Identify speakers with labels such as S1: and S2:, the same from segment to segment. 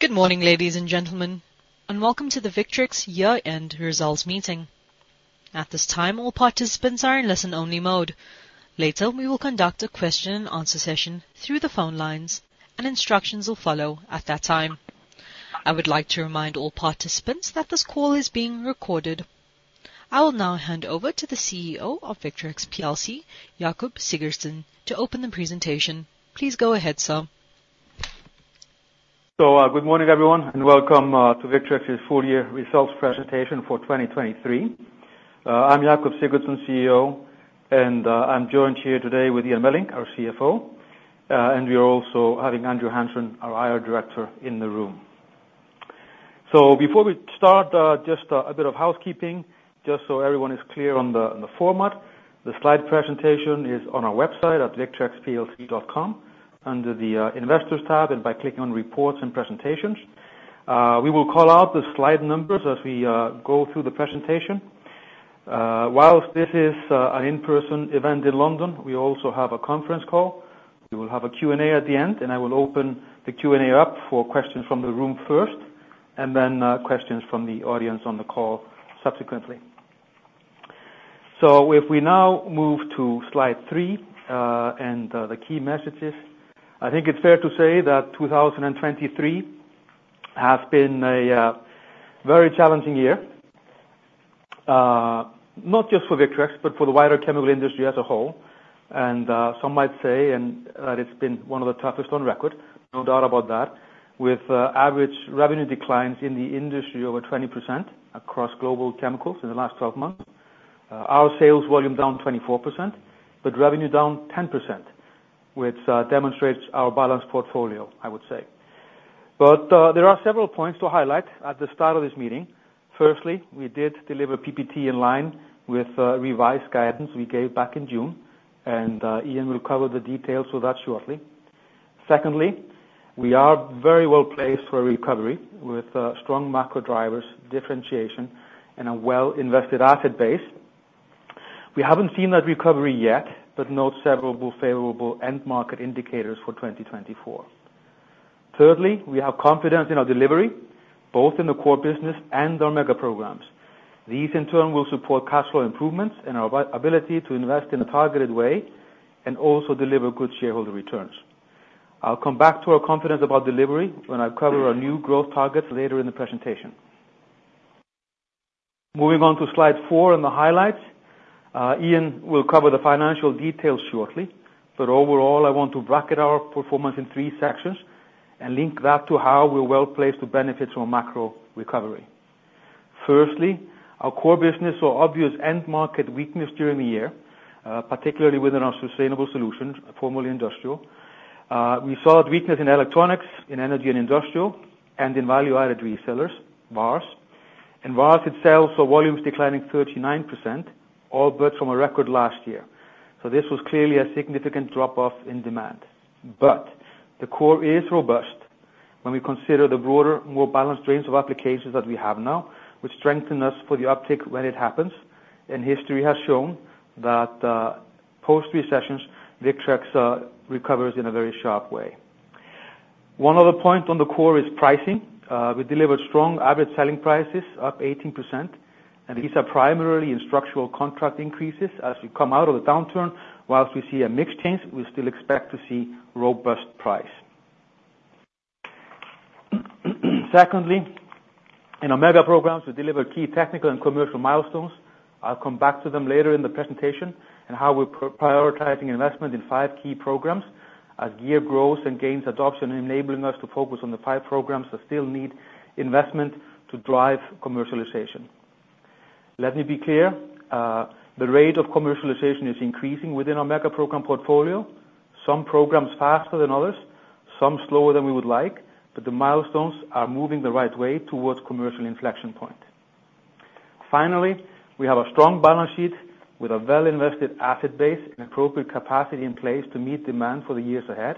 S1: Good morning, ladies and gentlemen, and welcome to the Victrex Year End Results Meeting. At this time, all participants are in listen-only mode. Later, we will conduct a question and answer session through the phone lines, and instructions will follow at that time. I would like to remind all participants that this call is being recorded. I will now hand over to the CEO of Victrex plc, Jakob Sigurðsson, to open the presentation. Please go ahead, sir.
S2: So, good morning, everyone, and welcome to Victrex's Full Year Results Presentation for 2023. I'm Jakob Sigurðsson, CEO, and I'm joined here today with Ian Melling, our CFO, and we are also having Andrew Hanson, our IR director, in the room. So before we start, just a bit of housekeeping, just so everyone is clear on the format. The slide presentation is on our website at victrexplc.com, under the Investors tab, and by clicking on Reports and Presentations. We will call out the slide numbers as we go through the presentation. While this is an in-person event in London, we also have a conference call. We will have a Q&A at the end, and I will open the Q&A up for questions from the room first, and then questions from the audience on the call subsequently. So if we now move to slide three, the key messages. I think it's fair to say that 2023 has been a very challenging year, not just for Victrex, but for the wider chemical industry as a whole. Some might say that it's been one of the toughest on record, no doubt about that. With average revenue declines in the industry over 20% across global chemicals in the last 12 months. Our sales volume down 24%, but revenue down 10%, which demonstrates our balanced portfolio, I would say. But, there are several points to highlight at the start of this meeting. Firstly, we did deliver PBT in line with, revised guidance we gave back in June, and, Ian will cover the details of that shortly. Secondly, we are very well placed for a recovery with, strong macro drivers, differentiation, and a well-invested asset base. We haven't seen that recovery yet, but note several favorable end market indicators for 2024. Thirdly, we have confidence in our delivery, both in the core business and our mega programs. These in turn, will support cash flow improvements and our ability to invest in a targeted way and also deliver good shareholder returns. I'll come back to our confidence about delivery when I cover our new growth targets later in the presentation. Moving on to slide four and the highlights. Ian will cover the financial details shortly, but overall, I want to bracket our performance in three sections and link that to how we're well placed to benefit from a macro recovery. Firstly, our core business saw obvious end market weakness during the year, particularly within our sustainable solutions, formerly industrial. We saw a weakness in electronics, in energy and industrial, and in Value-Added Resellers, VARs. And VARs itself saw volumes declining 39%, all but from a record last year. So this was clearly a significant drop-off in demand. But the core is robust when we consider the broader, more balanced range of applications that we have now, which strengthen us for the uptick when it happens. History has shown that post-recessions, Victrex recovers in a very sharp way. One other point on the core is pricing. We delivered strong average selling prices, up 18%, and these are primarily in structural contract increases as we come out of the downturn. While we see a mixed change, we still expect to see robust price. Secondly, in our mega programs, we deliver key technical and commercial milestones. I'll come back to them later in the presentation and how we're prioritizing investment in five key programs as gear grows and gains adoption, enabling us to focus on the five programs that still need investment to drive commercialization. Let me be clear, the rate of commercialization is increasing within our mega program portfolio. Some programs faster than others, some slower than we would like, but the milestones are moving the right way towards commercial inflection point. Finally, we have a strong balance sheet with a well-invested asset base and appropriate capacity in place to meet demand for the years ahead,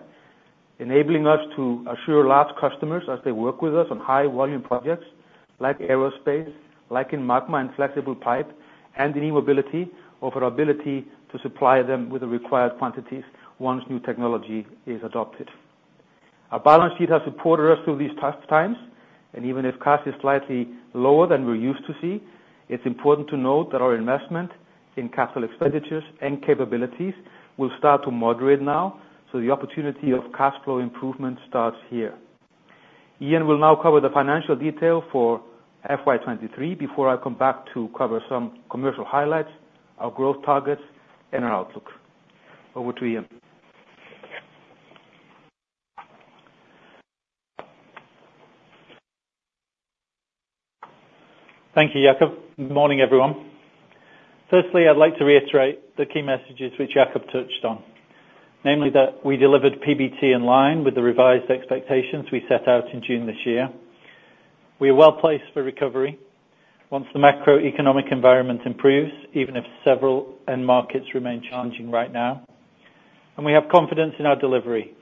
S2: enabling us to assure large customers as they work with us on high volume projects like aerospace, like in Magma and flexible pipe, and in e-mobility, of our ability to supply them with the required quantities once new technology is adopted. Our balance sheet has supported us through these tough times, and even if cash is slightly lower than we're used to see, it's important to note that our investment in capital expenditures and capabilities will start to moderate now, so the opportunity of cash flow improvement starts here. Ian will now cover the financial detail for FY 2023 before I come back to cover some commercial highlights, our growth targets, and our outlook. Over to you, Ian.
S3: Thank you, Jakob. Good morning, everyone. Firstly, I'd like to reiterate the key messages which Jakob touched on. Namely, that we delivered PBT in line with the revised expectations we set out in June this year. We are well placed for recovery once the macroeconomic environment improves, even if several end markets remain challenging right now, and we have confidence in our delivery.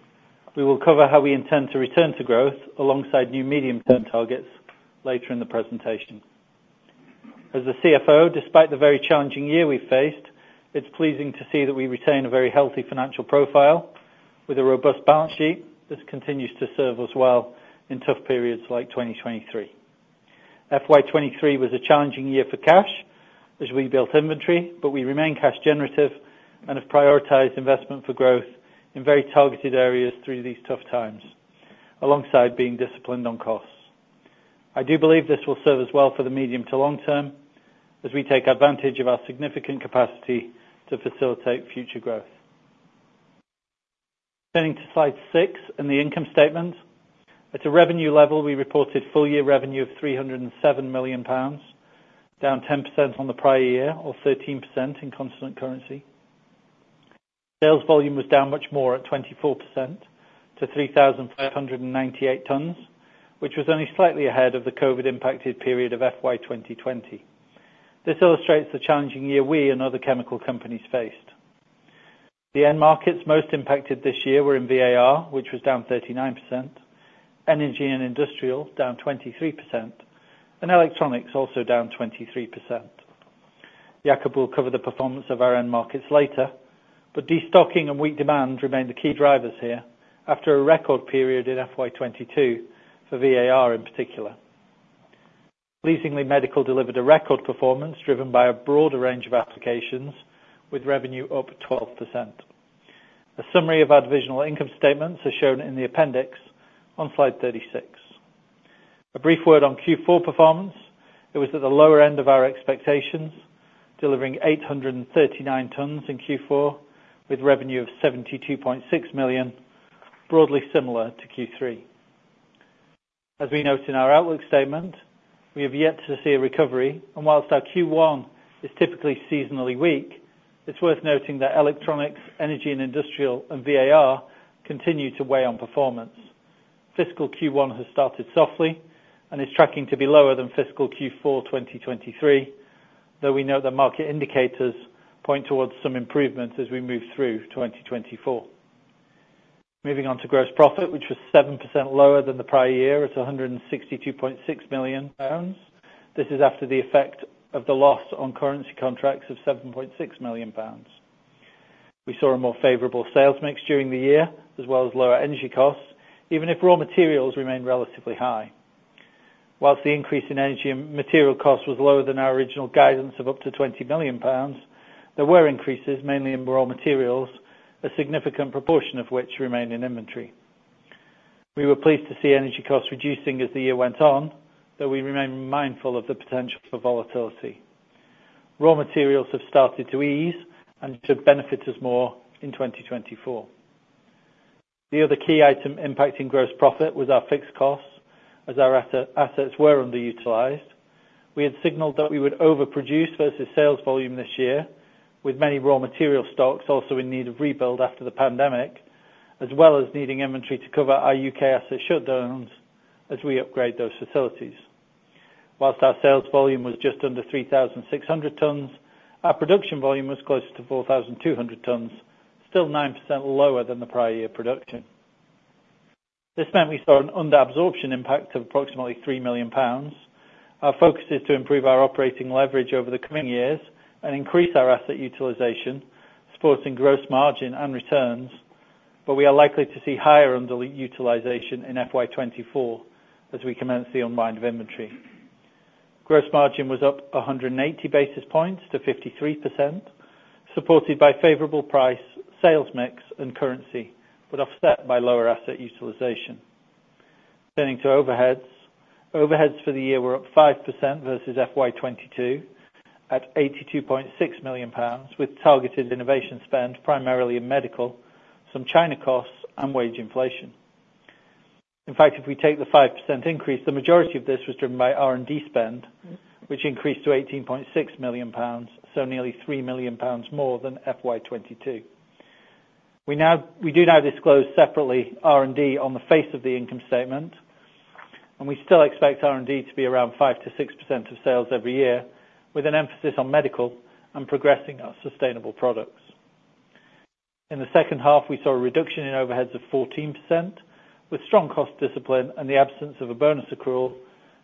S3: We will cover how we intend to return to growth alongside new medium-term targets later in the presentation. As the CFO, despite the very challenging year we faced, it's pleasing to see that we retain a very healthy financial profile with a robust balance sheet. This continues to serve us well in tough periods like 2023. FY 2023 was a challenging year for cash as we built inventory, but we remain cash generative and have prioritized investment for growth in very targeted areas through these tough times, alongside being disciplined on costs. I do believe this will serve us well for the medium to long term, as we take advantage of our significant capacity to facilitate future growth. Turning to slide six and the income statement. At a revenue level, we reported full year revenue of 307 million pounds, down 10% on the prior year, or 13% in constant currency. Sales volume was down much more at 24% to 3,598 tons, which was only slightly ahead of the COVID-impacted period of FY 2020. This illustrates the challenging year we and other chemical companies faced. The end markets most impacted this year were in VAR, which was down 39%, energy and industrial, down 23%, and electronics, also down 23%. Jacob will cover the performance of our end markets later, but destocking and weak demand remain the key drivers here after a record period in FY 2022 for VAR, in particular. Pleasingly, medical delivered a record performance driven by a broader range of applications, with revenue up 12%. A summary of our divisional income statements are shown in the appendix on slide 36. A brief word on Q4 performance. It was at the lower end of our expectations, delivering 839 tons in Q4, with revenue of 72.6 million, broadly similar to Q3. As we note in our outlook statement, we have yet to see a recovery, and whilst our Q1 is typically seasonally weak, it's worth noting that electronics, energy and industrial, and VAR continue to weigh on performance. Fiscal Q1 has started softly and is tracking to be lower than fiscal Q4 2023, though we note that market indicators point towards some improvements as we move through 2024. Moving on to gross profit, which was 7% lower than the prior year at 162.6 million pounds. This is after the effect of the loss on currency contracts of 7.6 million pounds. We saw a more favorable sales mix during the year, as well as lower energy costs, even if raw materials remained relatively high. While the increase in energy and material costs was lower than our original guidance of up to 20 million pounds, there were increases, mainly in raw materials, a significant proportion of which remained in inventory. We were pleased to see energy costs reducing as the year went on, though we remain mindful of the potential for volatility. Raw materials have started to ease and should benefit us more in 2024. The other key item impacting gross profit was our fixed costs, as our assets were underutilized. We had signaled that we would overproduce versus sales volume this year, with many raw material stocks also in need of rebuild after the pandemic, as well as needing inventory to cover our U.K. asset shutdowns as we upgrade those facilities. Whilst our sales volume was just under 3,600 tons, our production volume was closer to 4,200 tons, still 9% lower than the prior year production. This meant we saw an under absorption impact of approximately 3 million pounds. Our focus is to improve our operating leverage over the coming years and increase our asset utilization, supporting gross margin and returns, but we are likely to see higher underutilization in FY 2024 as we commence the unwind of inventory. Gross margin was up 180 basis points to 53%, supported by favorable price, sales mix, and currency, but offset by lower asset utilization. Turning to overheads. Overheads for the year were up 5% versus FY 2022, at 82.6 million pounds, with targeted innovation spend primarily in medical, some China costs, and wage inflation. In fact, if we take the 5% increase, the majority of this was driven by R&D spend, which increased to 18.6 million pounds, so nearly 3 million pounds more than FY 2022. We now do disclose separately R&D on the face of the income statement, and we still expect R&D to be around 5%-6% of sales every year, with an emphasis on medical and progressing our sustainable products. In the second half, we saw a reduction in overheads of 14%, with strong cost discipline and the absence of a bonus accrual.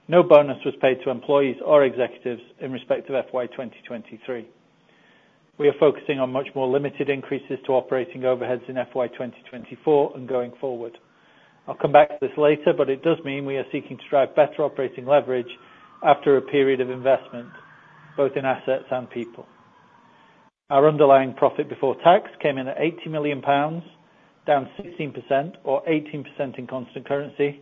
S3: No bonus was paid to employees or executives in respect of FY 2023. We are focusing on much more limited increases to operating overheads in FY 2024 and going forward. I'll come back to this later, but it does mean we are seeking to drive better operating leverage after a period of investment, both in assets and people. Our underlying profit before tax came in at 80 million pounds, down 16% or 18% in constant currency.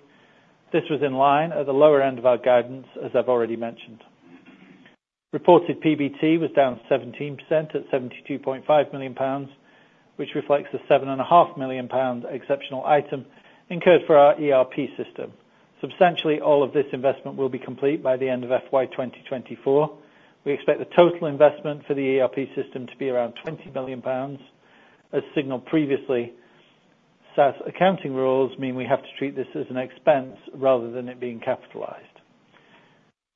S3: This was in line at the lower end of our guidance, as I've already mentioned. Reported PBT was down 17% at 72.5 million pounds, which reflects the 7.5 million pounds exceptional item incurred for our ERP system. Substantially, all of this investment will be complete by the end of FY 2024. We expect the total investment for the ERP system to be around 20 million pounds, as signaled previously. SaaS accounting rules mean we have to treat this as an expense rather than it being capitalized.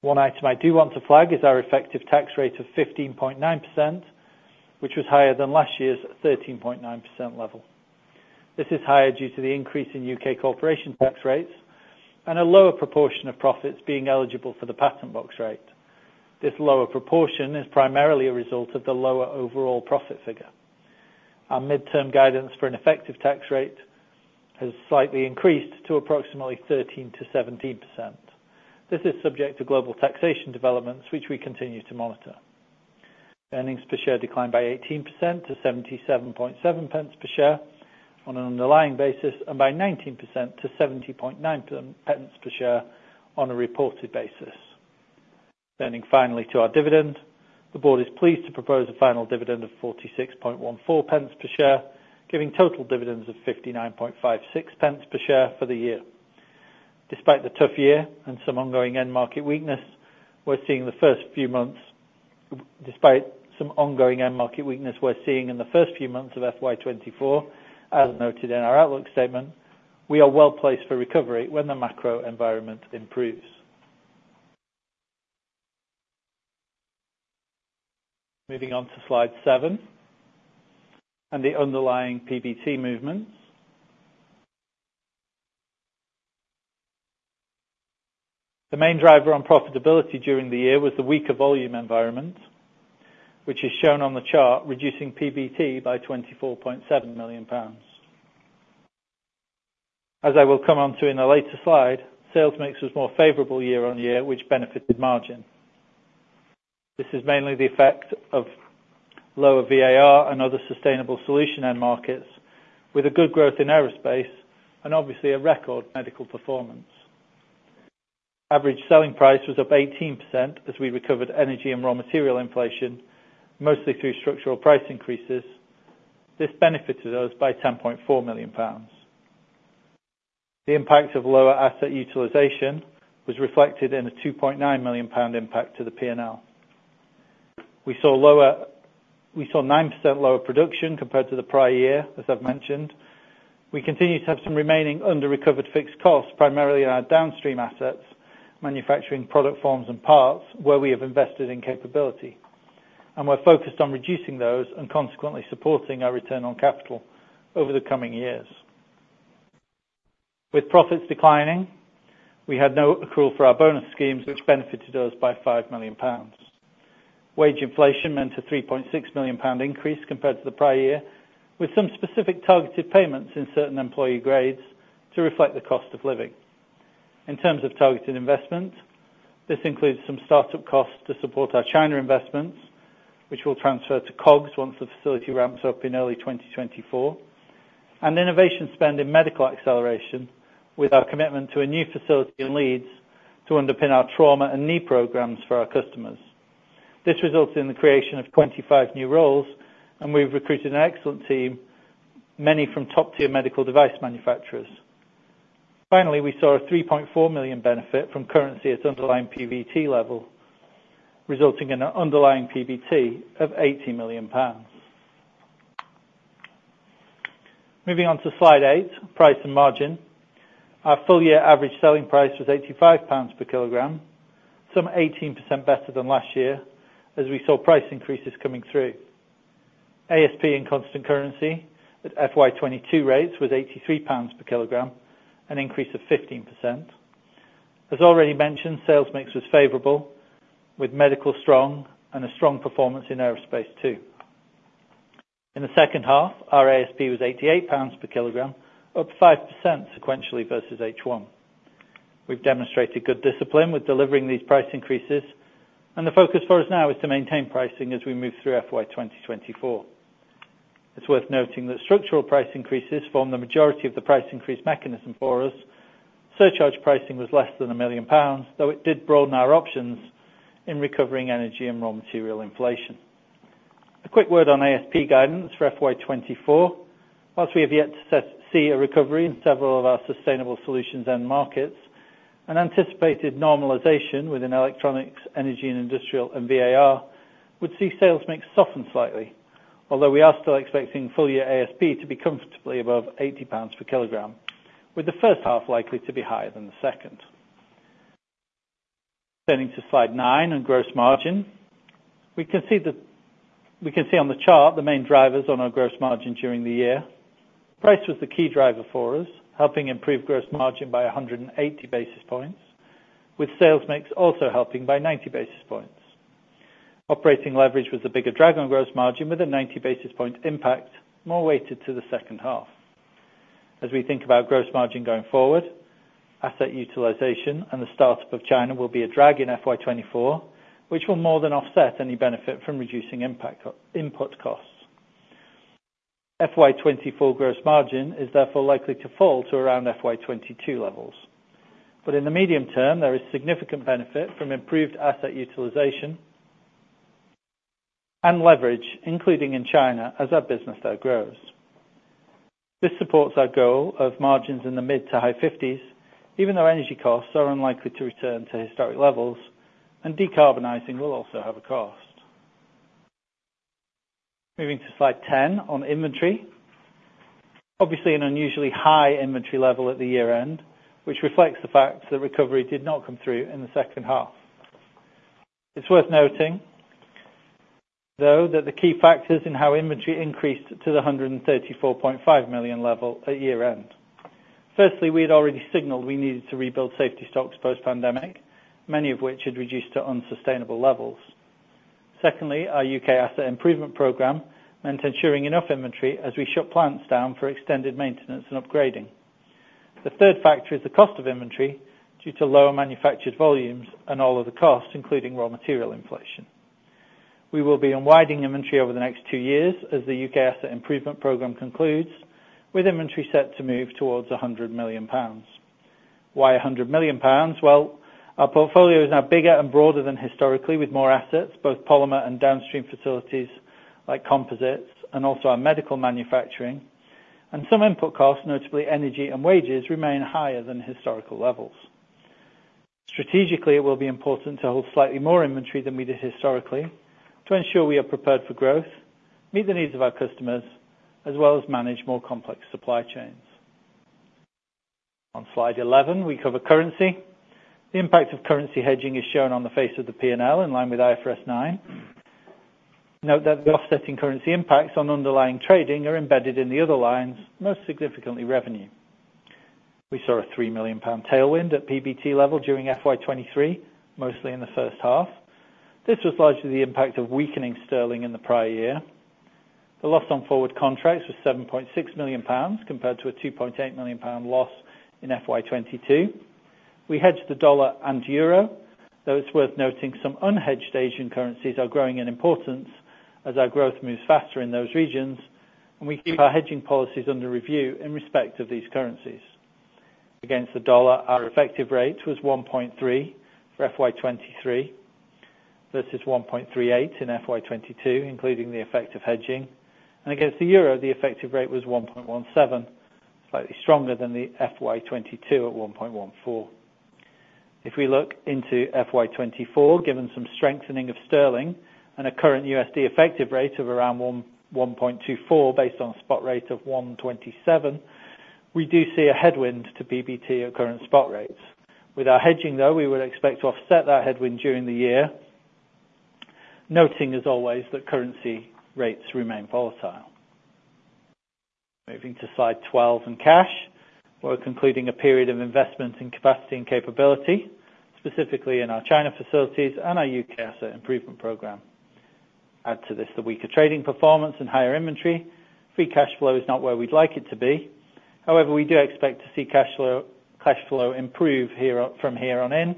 S3: One item I do want to flag is our effective tax rate of 15.9%, which was higher than last year's 13.9% level. This is higher due to the increase in U.K. corporation tax rates and a lower proportion of profits being eligible for the patent box rate. This lower proportion is primarily a result of the lower overall profit figure. Our midterm guidance for an effective tax rate has slightly increased to approximately 13%-17%. This is subject to global taxation developments, which we continue to monitor. Earnings per share declined by 18% to 0.777 per share on an underlying basis, and by 19% to 0.709 per share on a reported basis. Turning finally to our dividend, the board is pleased to propose a final dividend of 0.4614 per share, giving total dividends of 0.5956 per share for the year. Despite the tough year and some ongoing end market weakness, we're seeing in the first few months of FY 2024, as noted in our outlook statement, we are well-placed for recovery when the macro environment improves. Moving on to slide seven, and the underlying PBT movements. The main driver on profitability during the year was the weaker volume environment, which is shown on the chart, reducing PBT by 24.7 million pounds. As I will come on to in a later slide, sales mix was more favorable year-on-year, which benefited margin. This is mainly the effect of lower VAR and other sustainable solution end markets, with a good growth in aerospace and obviously, a record medical performance. Average selling price was up 18% as we recovered energy and raw material inflation, mostly through structural price increases. This benefited us by 10.4 million pounds. The impact of lower asset utilization was reflected in a 2.9 million pound impact to the P&L. We saw 9% lower production compared to the prior year, as I've mentioned. We continue to have some remaining underrecovered fixed costs, primarily in our downstream assets, manufacturing product forms and parts, where we have invested in capability. And we're focused on reducing those and consequently supporting our return on capital over the coming years. With profits declining, we had no accrual for our bonus schemes, which benefited us by 5 million pounds. Wage inflation meant a 3.6 million pound increase compared to the prior year, with some specific targeted payments in certain employee grades to reflect the cost of living. In terms of targeted investment, this includes some start-up costs to support our China investments, which will transfer to COGS once the facility ramps up in early 2024, and innovation spend in medical acceleration with our commitment to a new facility in Leeds to underpin our trauma and knee programs for our customers. This results in the creation of 25 new roles, and we've recruited an excellent team, many from top-tier medical device manufacturers. Finally, we saw a 3.4 million benefit from currency at underlying PBT level, resulting in an underlying PBT of 80 million pounds. Moving on to slide eight, price and margin. Our full-year average selling price was GBP 85/kg, some 18% better than last year as we saw price increases coming through. ASP in constant currency at FY 2022 rates was 83 pounds/kg, an increase of 15%. As already mentioned, sales mix was favorable, with medical strong and a strong performance in aerospace, too. In the second half, our ASP was 88 pounds/kg, up 5% sequentially versus H1. We've demonstrated good discipline with delivering these price increases, and the focus for us now is to maintain pricing as we move through FY 2024. It's worth noting that structural price increases form the majority of the price increase mechanism for us. Surcharge pricing was less than 1 million pounds, though it did broaden our options in recovering energy and raw material inflation. A quick word on ASP guidance for FY 2024. While we have yet to see a recovery in several of our sustainable solutions end markets, an anticipated normalization within electronics, energy, and industrial and VAR would see sales mix soften slightly. Although we are still expecting full year ASP to be comfortably above 80 pounds/kg, with the first half likely to be higher than the second. Turning to slide nine on gross margin, we can see on the chart the main drivers on our gross margin during the year. Price was the key driver for us, helping improve gross margin by 180 basis points, with sales mix also helping by 90 basis points. Operating leverage was the bigger drag on gross margin, with a 90 basis point impact, more weighted to the second half. As we think about gross margin going forward, asset utilization and the start-up of China will be a drag in FY 2024, which will more than offset any benefit from reducing input costs. FY 2024 gross margin is therefore likely to fall to around FY 2022 levels. But in the medium term, there is significant benefit from improved asset utilization and leverage, including in China, as our business there grows. This supports our goal of margins in the mid to high 50%s even though energy costs are unlikely to return to historic levels, and decarbonizing will also have a cost. Moving to slide 10 on inventory. Obviously, an unusually high inventory level at the year-end, which reflects the fact that recovery did not come through in the second half. It's worth noting. Though the key factors in how inventory increased to the 134.5 million level at year-end. Firstly, we had already signaled we needed to rebuild safety stocks post-pandemic, many of which had reduced to unsustainable levels. Secondly, our U.K. asset improvement program meant ensuring enough inventory as we shut plants down for extended maintenance and upgrading. The third factor is the cost of inventory, due to lower manufactured volumes and all of the costs, including raw material inflation. We will be unwinding inventory over the next two years as the U.K. asset improvement program concludes, with inventory set to move towards 100 million pounds. Why 100 million pounds? Well, our portfolio is now bigger and broader than historically, with more assets, both polymer and downstream facilities like composites and also our medical manufacturing. Some input costs, notably energy and wages, remain higher than historical levels. Strategically, it will be important to hold slightly more inventory than we did historically, to ensure we are prepared for growth, meet the needs of our customers, as well as manage more complex supply chains. On slide 11, we cover currency. The impact of currency hedging is shown on the face of the P&L, in line with IFRS 9. Note that the offsetting currency impacts on underlying trading are embedded in the other lines, most significantly, revenue. We saw a 3 million pound tailwind at PBT level during FY 2023, mostly in the first half. This was largely the impact of weakening sterling in the prior year. The loss on forward contracts was 7.6 million pounds, compared to a 2.8 million pound loss in FY 2022. We hedged the dollar and euro, though it's worth noting some unhedged Asian currencies are growing in importance as our growth moves faster in those regions, and we keep our hedging policies under review in respect of these currencies. Against the dollar, our effective rate was 1.3 for FY 2023. This is 1.38 in FY 2022, including the effect of hedging, and against the euro, the effective rate was 1.17, slightly stronger than the FY 2022 at 1.14. If we look into FY 2024, given some strengthening of sterling and a current USD effective rate of around 1.24, based on a spot rate of 1.27, we do see a headwind to PBT at current spot rates. With our hedging, though, we would expect to offset that headwind during the year, noting, as always, that currency rates remain volatile. Moving to slide 12 and cash, we're concluding a period of investment in capacity and capability, specifically in our China facilities and our U.K. asset improvement program. Add to this the weaker trading performance and higher inventory. Free cash flow is not where we'd like it to be. However, we do expect to see cash flow, cash flow improve from here on in,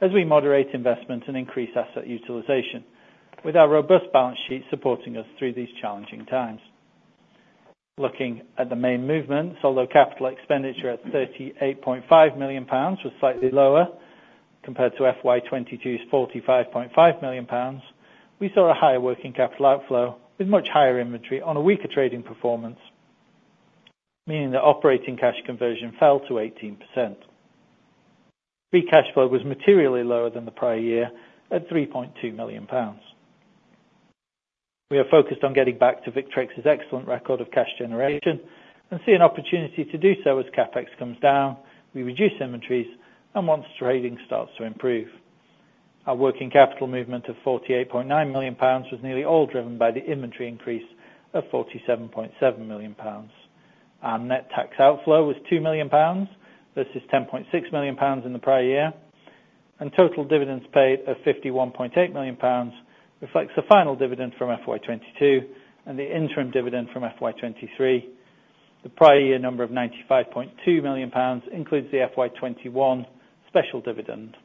S3: as we moderate investment and increase asset utilization, with our robust balance sheet supporting us through these challenging times. Looking at the main movements, although capital expenditure at 38.5 million pounds was slightly lower compared to FY 2022's 45.5 million pounds, we saw a higher working capital outflow with much higher inventory on a weaker trading performance, meaning the operating cash conversion fell to 18%. Free cash flow was materially lower than the prior year, at 3.2 million pounds. We are focused on getting back to Victrex's excellent record of cash generation and see an opportunity to do so as CapEx comes down, we reduce inventories, and once trading starts to improve. Our working capital movement of GBP 48.9 million was nearly all driven by the inventory increase of GBP 47.7 million. Our net tax outflow was GBP 2 million, versus GBP 10.6 million in the prior year, and total dividends paid of GBP 51.8 million, reflects the final dividend from FY 2022 and the interim dividend from FY 2023. The prior year number of GBP 95.2 million includes the FY 2021 special dividend.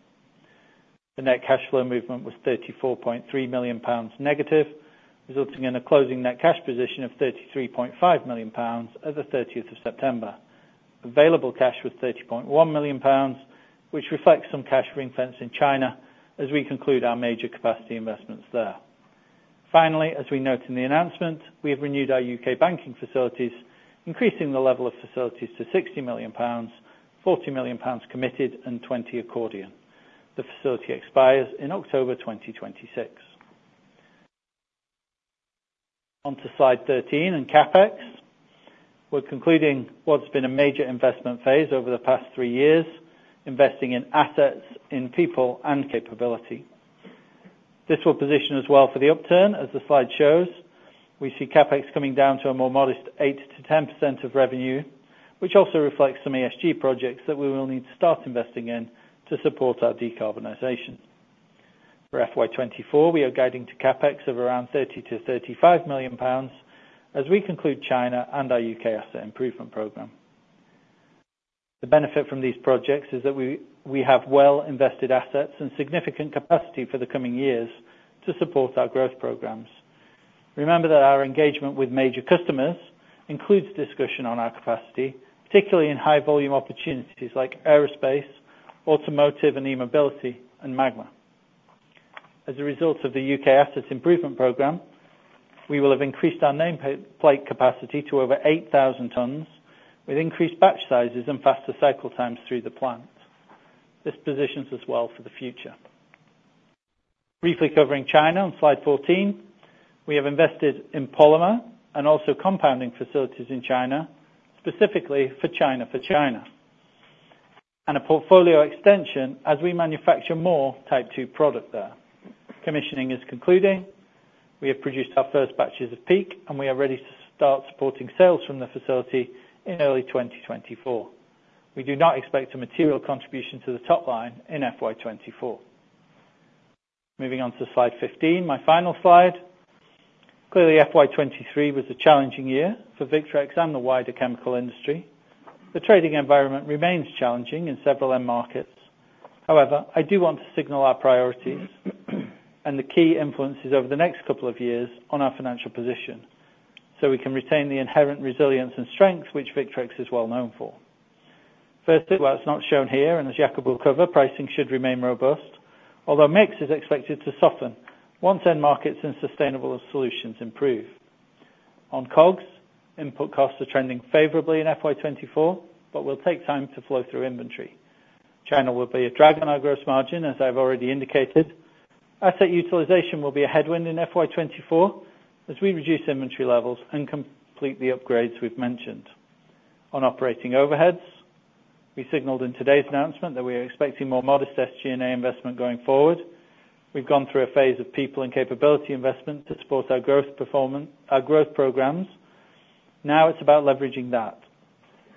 S3: The net cash flow movement was 34.3 million pounds negative, resulting in a closing net cash position of 33.5 million pounds as of the 30th of September. Available cash was 30.1 million pounds, which reflects some cash ring-fence in China as we conclude our major capacity investments there. Finally, as we note in the announcement, we have renewed our U.K. banking facilities, increasing the level of facilities to 60 million pounds, 40 million pounds committed, and 20 million accordion. The facility expires in October 2026. On to slide 13 and CapEx. We're concluding what's been a major investment phase over the past three years, investing in assets, in people, and capability. This will position us well for the upturn, as the slide shows. We see CapEx coming down to a more modest 8%-10% of revenue, which also reflects some ESG projects that we will need to start investing in to support our decarbonization. For FY 2024, we are guiding to CapEx of around 30 million-35 million pounds as we conclude China and our U.K. asset improvement program. The benefit from these projects is that we have well-invested assets and significant capacity for the coming years to support our growth programs. Remember that our engagement with major customers includes discussion on our capacity, particularly in high volume opportunities like aerospace, automotive, and e-mobility, and Magma. As a result of the U.K. assets improvement program, we will have increased our nameplate capacity to over 8,000 tons, with increased batch sizes and faster cycle times through the plant. This positions us well for the future. Briefly covering China on slide 14, we have invested in polymer and also compounding facilities in China, specifically for China, for China and a portfolio extension as we manufacture more Type 2 product there. Commissioning is concluding. We have produced our first batches of PEEK, and we are ready to start supporting sales from the facility in early 2024. We do not expect a material contribution to the top line in FY 2024. Moving on to slide 15, my final slide. Clearly, FY 2023 was a challenging year for Victrex and the wider chemical industry. The trading environment remains challenging in several end markets. However, I do want to signal our priorities and the key influences over the next couple of years on our financial position, so we can retain the inherent resilience and strength which Victrex is well known for. Firstly, while it's not shown here, and as Jakob will cover, pricing should remain robust, although mix is expected to soften once end markets and sustainable solutions improve. On COGS, input costs are trending favorably in FY 2024, but will take time to flow through inventory. China will be a drag on our gross margin, as I've already indicated. Asset utilization will be a headwind in FY 2024, as we reduce inventory levels and complete the upgrades we've mentioned. On operating overheads, we signaled in today's announcement that we are expecting more modest SG&A investment going forward. We've gone through a phase of people and capability investment to support our growth programs. Now, it's about leveraging that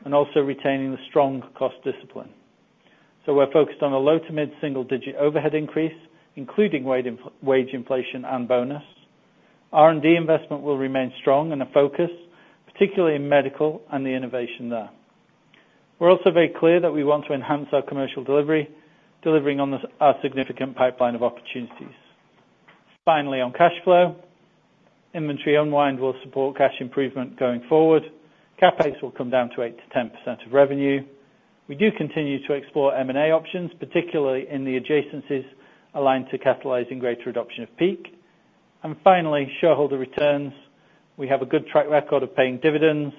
S3: and also retaining the strong cost discipline. So we're focused on a lom to mid-single digit overhead increase, including wage inflation and bonus. R&D investment will remain strong and a focus, particularly in medical and the innovation there. We're also very clear that we want to enhance our commercial delivery, delivering on our significant pipeline of opportunities. Finally, on cash flow, inventory unwind will support cash improvement going forward. CapEx will come down to 8%-10% of revenue. We do continue to explore M&A options, particularly in the adjacencies aligned to catalyzing greater adoption of PEEK. And finally, shareholder returns. We have a good track record of paying dividends.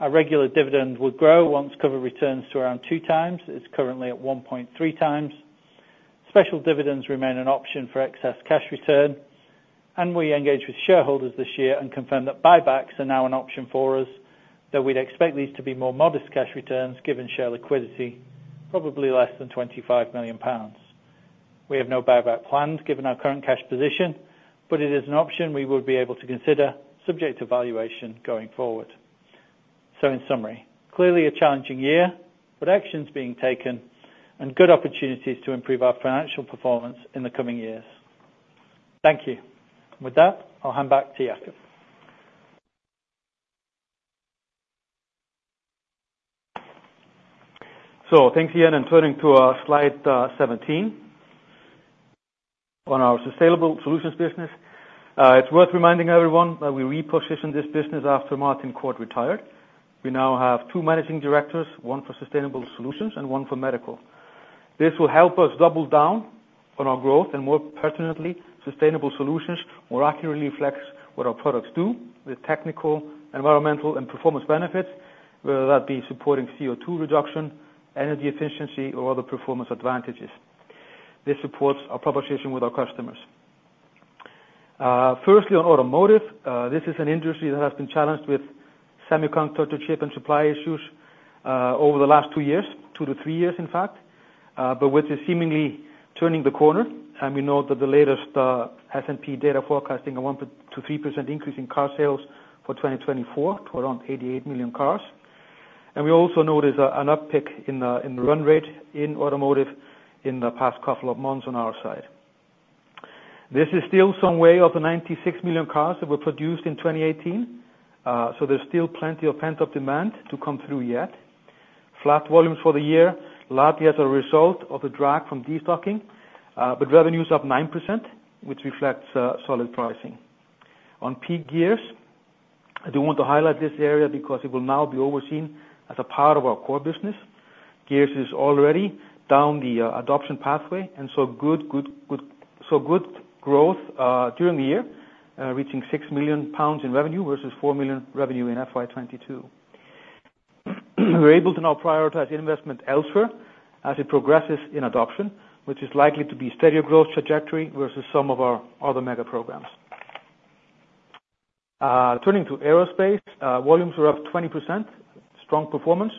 S3: Our regular dividend will grow once cover returns to around 2x. It's currently at 1.3x. Special dividends remain an option for excess cash return, and we engaged with shareholders this year and confirmed that buybacks are now an option for us, though we'd expect these to be more modest cash returns given share liquidity, probably less than 25 million pounds. We have no buyback plans, given our current cash position, but it is an option we would be able to consider subject to valuation going forward. So in summary, clearly a challenging year, but actions being taken and good opportunities to improve our financial performance in the coming years. Thank you. With that, I'll hand back to Jakob.
S2: Thanks, Ian, and turning to our slide 17. On our Sustainable Solutions business, it's worth reminding everyone that we repositioned this business after Martin Court retired. We now have two managing directors, one for Sustainable Solutions and one for medical. This will help us double down on our growth, and more pertinently, sustainable solutions more accurately reflects what our products do with technical, environmental, and performance benefits, whether that be supporting CO2 reduction, energy efficiency, or other performance advantages. This supports our proposition with our customers. Firstly, on automotive, this is an industry that has been challenged with semiconductor chip and supply issues, over the last two years, two to three years, in fact, but which is seemingly turning the corner. We know that the latest S&P data forecasting a 1%-3% increase in car sales for 2024 to around 88 million cars. We also notice an uptick in the run rate in automotive in the past couple of months on our side. This is still some way off the 96 million cars that were produced in 2018, so there's still plenty of pent-up demand to come through yet. Flat volumes for the year, largely as a result of the drag from destocking, but revenues up 9%, which reflects solid pricing. On PEEK Gears, I do want to highlight this area because it will now be overseen as a part of our core business. Gears is already down the adoption pathway, and so good, good growth during the year, reaching 6 million pounds in revenue versus 4 million revenue in FY 2022. We're able to now prioritize investment elsewhere as it progresses in adoption, which is likely to be steadier growth trajectory versus some of our other mega programs. Turning to aerospace, volumes are up 20%, strong performance.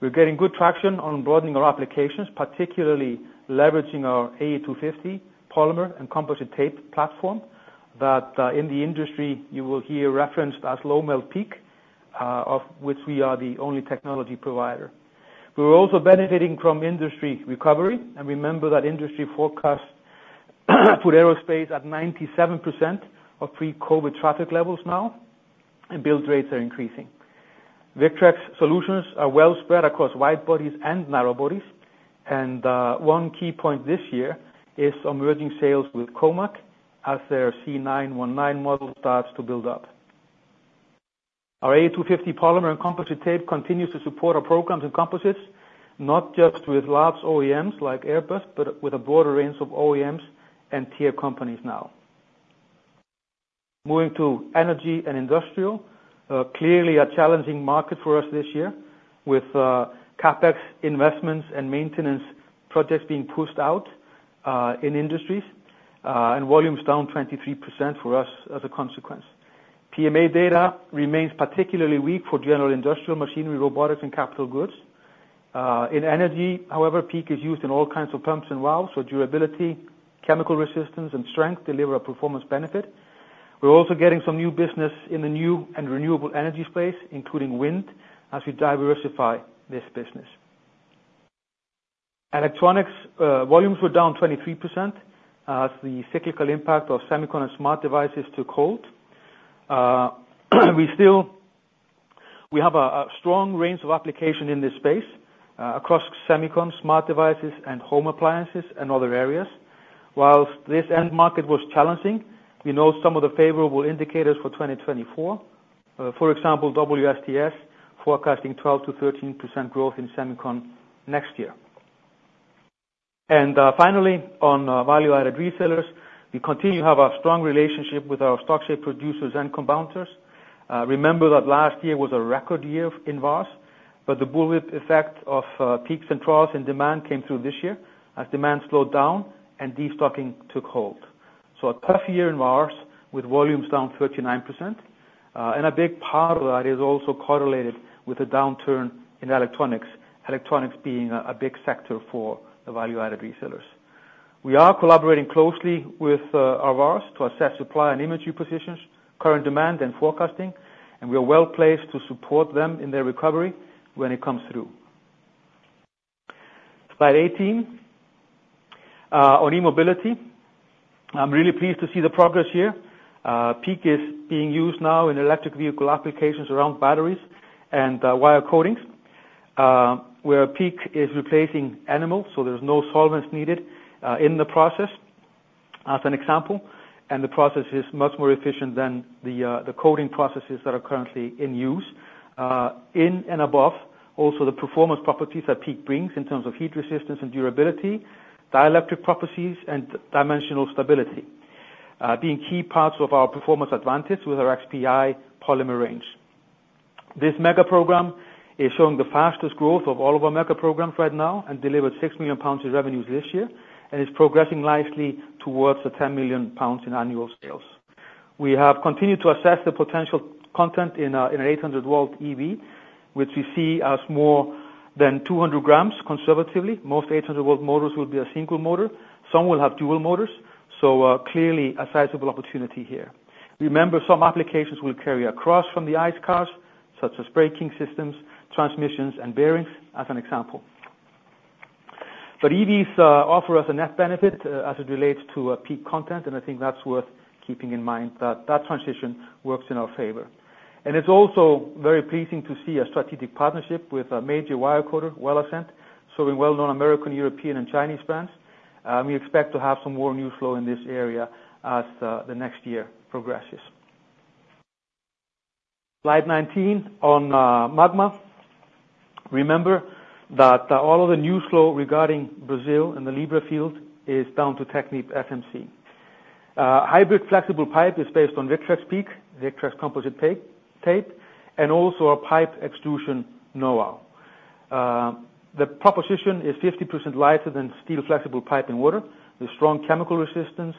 S2: We're getting good traction on broadening our applications, particularly leveraging our AE250 polymer and composite tape platform, that in the industry, you will hear referenced as low melt PEEK, of which we are the only technology provider. We're also benefiting from industry recovery, and remember that industry forecasts put aerospace at 97% of pre-COVID traffic levels now, and build rates are increasing. Victrex solutions are well spread across wide bodies and narrow bodies, and one key point this year is on merging sales with COMAC as their C919 model starts to build up. Our AE250 polymer and composite tape continues to support our programs and composites, not just with large OEMs like Airbus, but with a broader range of OEMs and tier companies now. Moving to energy and industrial, clearly a challenging market for us this year with CapEx investments and maintenance projects being pushed out in industries, and volumes down 23% for us as a consequence. PMI data remains particularly weak for general industrial machinery, robotics, and capital goods. In energy, however, PEEK is used in all kinds of pumps and valves, so durability, chemical resistance, and strength deliver a performance benefit. We're also getting some new business in the new and renewable energy space, including wind, as we diversify this business. Electronics volumes were down 23%, as the cyclical impact of semicon and smart devices took hold. We still have a strong range of application in this space, across semicon, smart devices, and home appliances, and other areas. While this end market was challenging, we know some of the favorable indicators for 2024. For example, WSTS forecasting 12%-13% growth in semicon next year. And finally, on Value-Added Resellers, we continue to have a strong relationship with our stock shape producers and compounders. Remember that last year was a record year in VARS, but the bullwhip effect of peaks and troughs in demand came through this year as demand slowed down and destocking took hold. So a tough year in VARs, with volumes down 39%, and a big part of that is also correlated with the downturn in electronics, electronics being a big sector for the value-added resellers. We are collaborating closely with our VARs to assess supply and inventory positions, current demand, and forecasting, and we are well placed to support them in their recovery when it comes through. Slide 18 on e-mobility. I'm really pleased to see the progress here. PEEK is being used now in electric vehicle applications around batteries and wire coatings, where PEEK is replacing enamels, so there's no solvents needed in the process, as an example. And the process is much more efficient than the coating processes that are currently in use. in and above, also the performance properties that PEEK brings in terms of heat resistance and durability, dielectric properties, and dimensional stability, being key parts of our performance advantage with our XPI polymer range. This mega program is showing the fastest growth of all of our mega programs right now and delivered 6 million pounds in revenues this year, and is progressing nicely towards the 10 million pounds in annual sales. We have continued to assess the potential content in an 800 V EV, which we see as more than 200 gm, conservatively. Most 800 V motors will be a single motor. Some will have dual motors, so, clearly a sizable opportunity here. Remember, some applications will carry across from the ICE cars, such as braking systems, transmissions, and bearings, as an example. But EVs offer us a net benefit as it relates to a PEEK content, and I think that's worth keeping in mind, that that transition works in our favor. And it's also very pleasing to see a strategic partnership with a major wire coater, Well Ascent, serving well-known American, European, and Chinese brands. We expect to have some more news flow in this area as the next year progresses. Slide 19 on Magma. Remember that all of the news flow regarding Brazil and the Libra field is down to TechnipFMC. Hybrid flexible pipe is based on Victrex PEEK, Victrex composite tape, tape, and also a pipe extrusion knowhow. The proposition is 50% lighter than steel flexible pipe and water, with strong chemical resistance,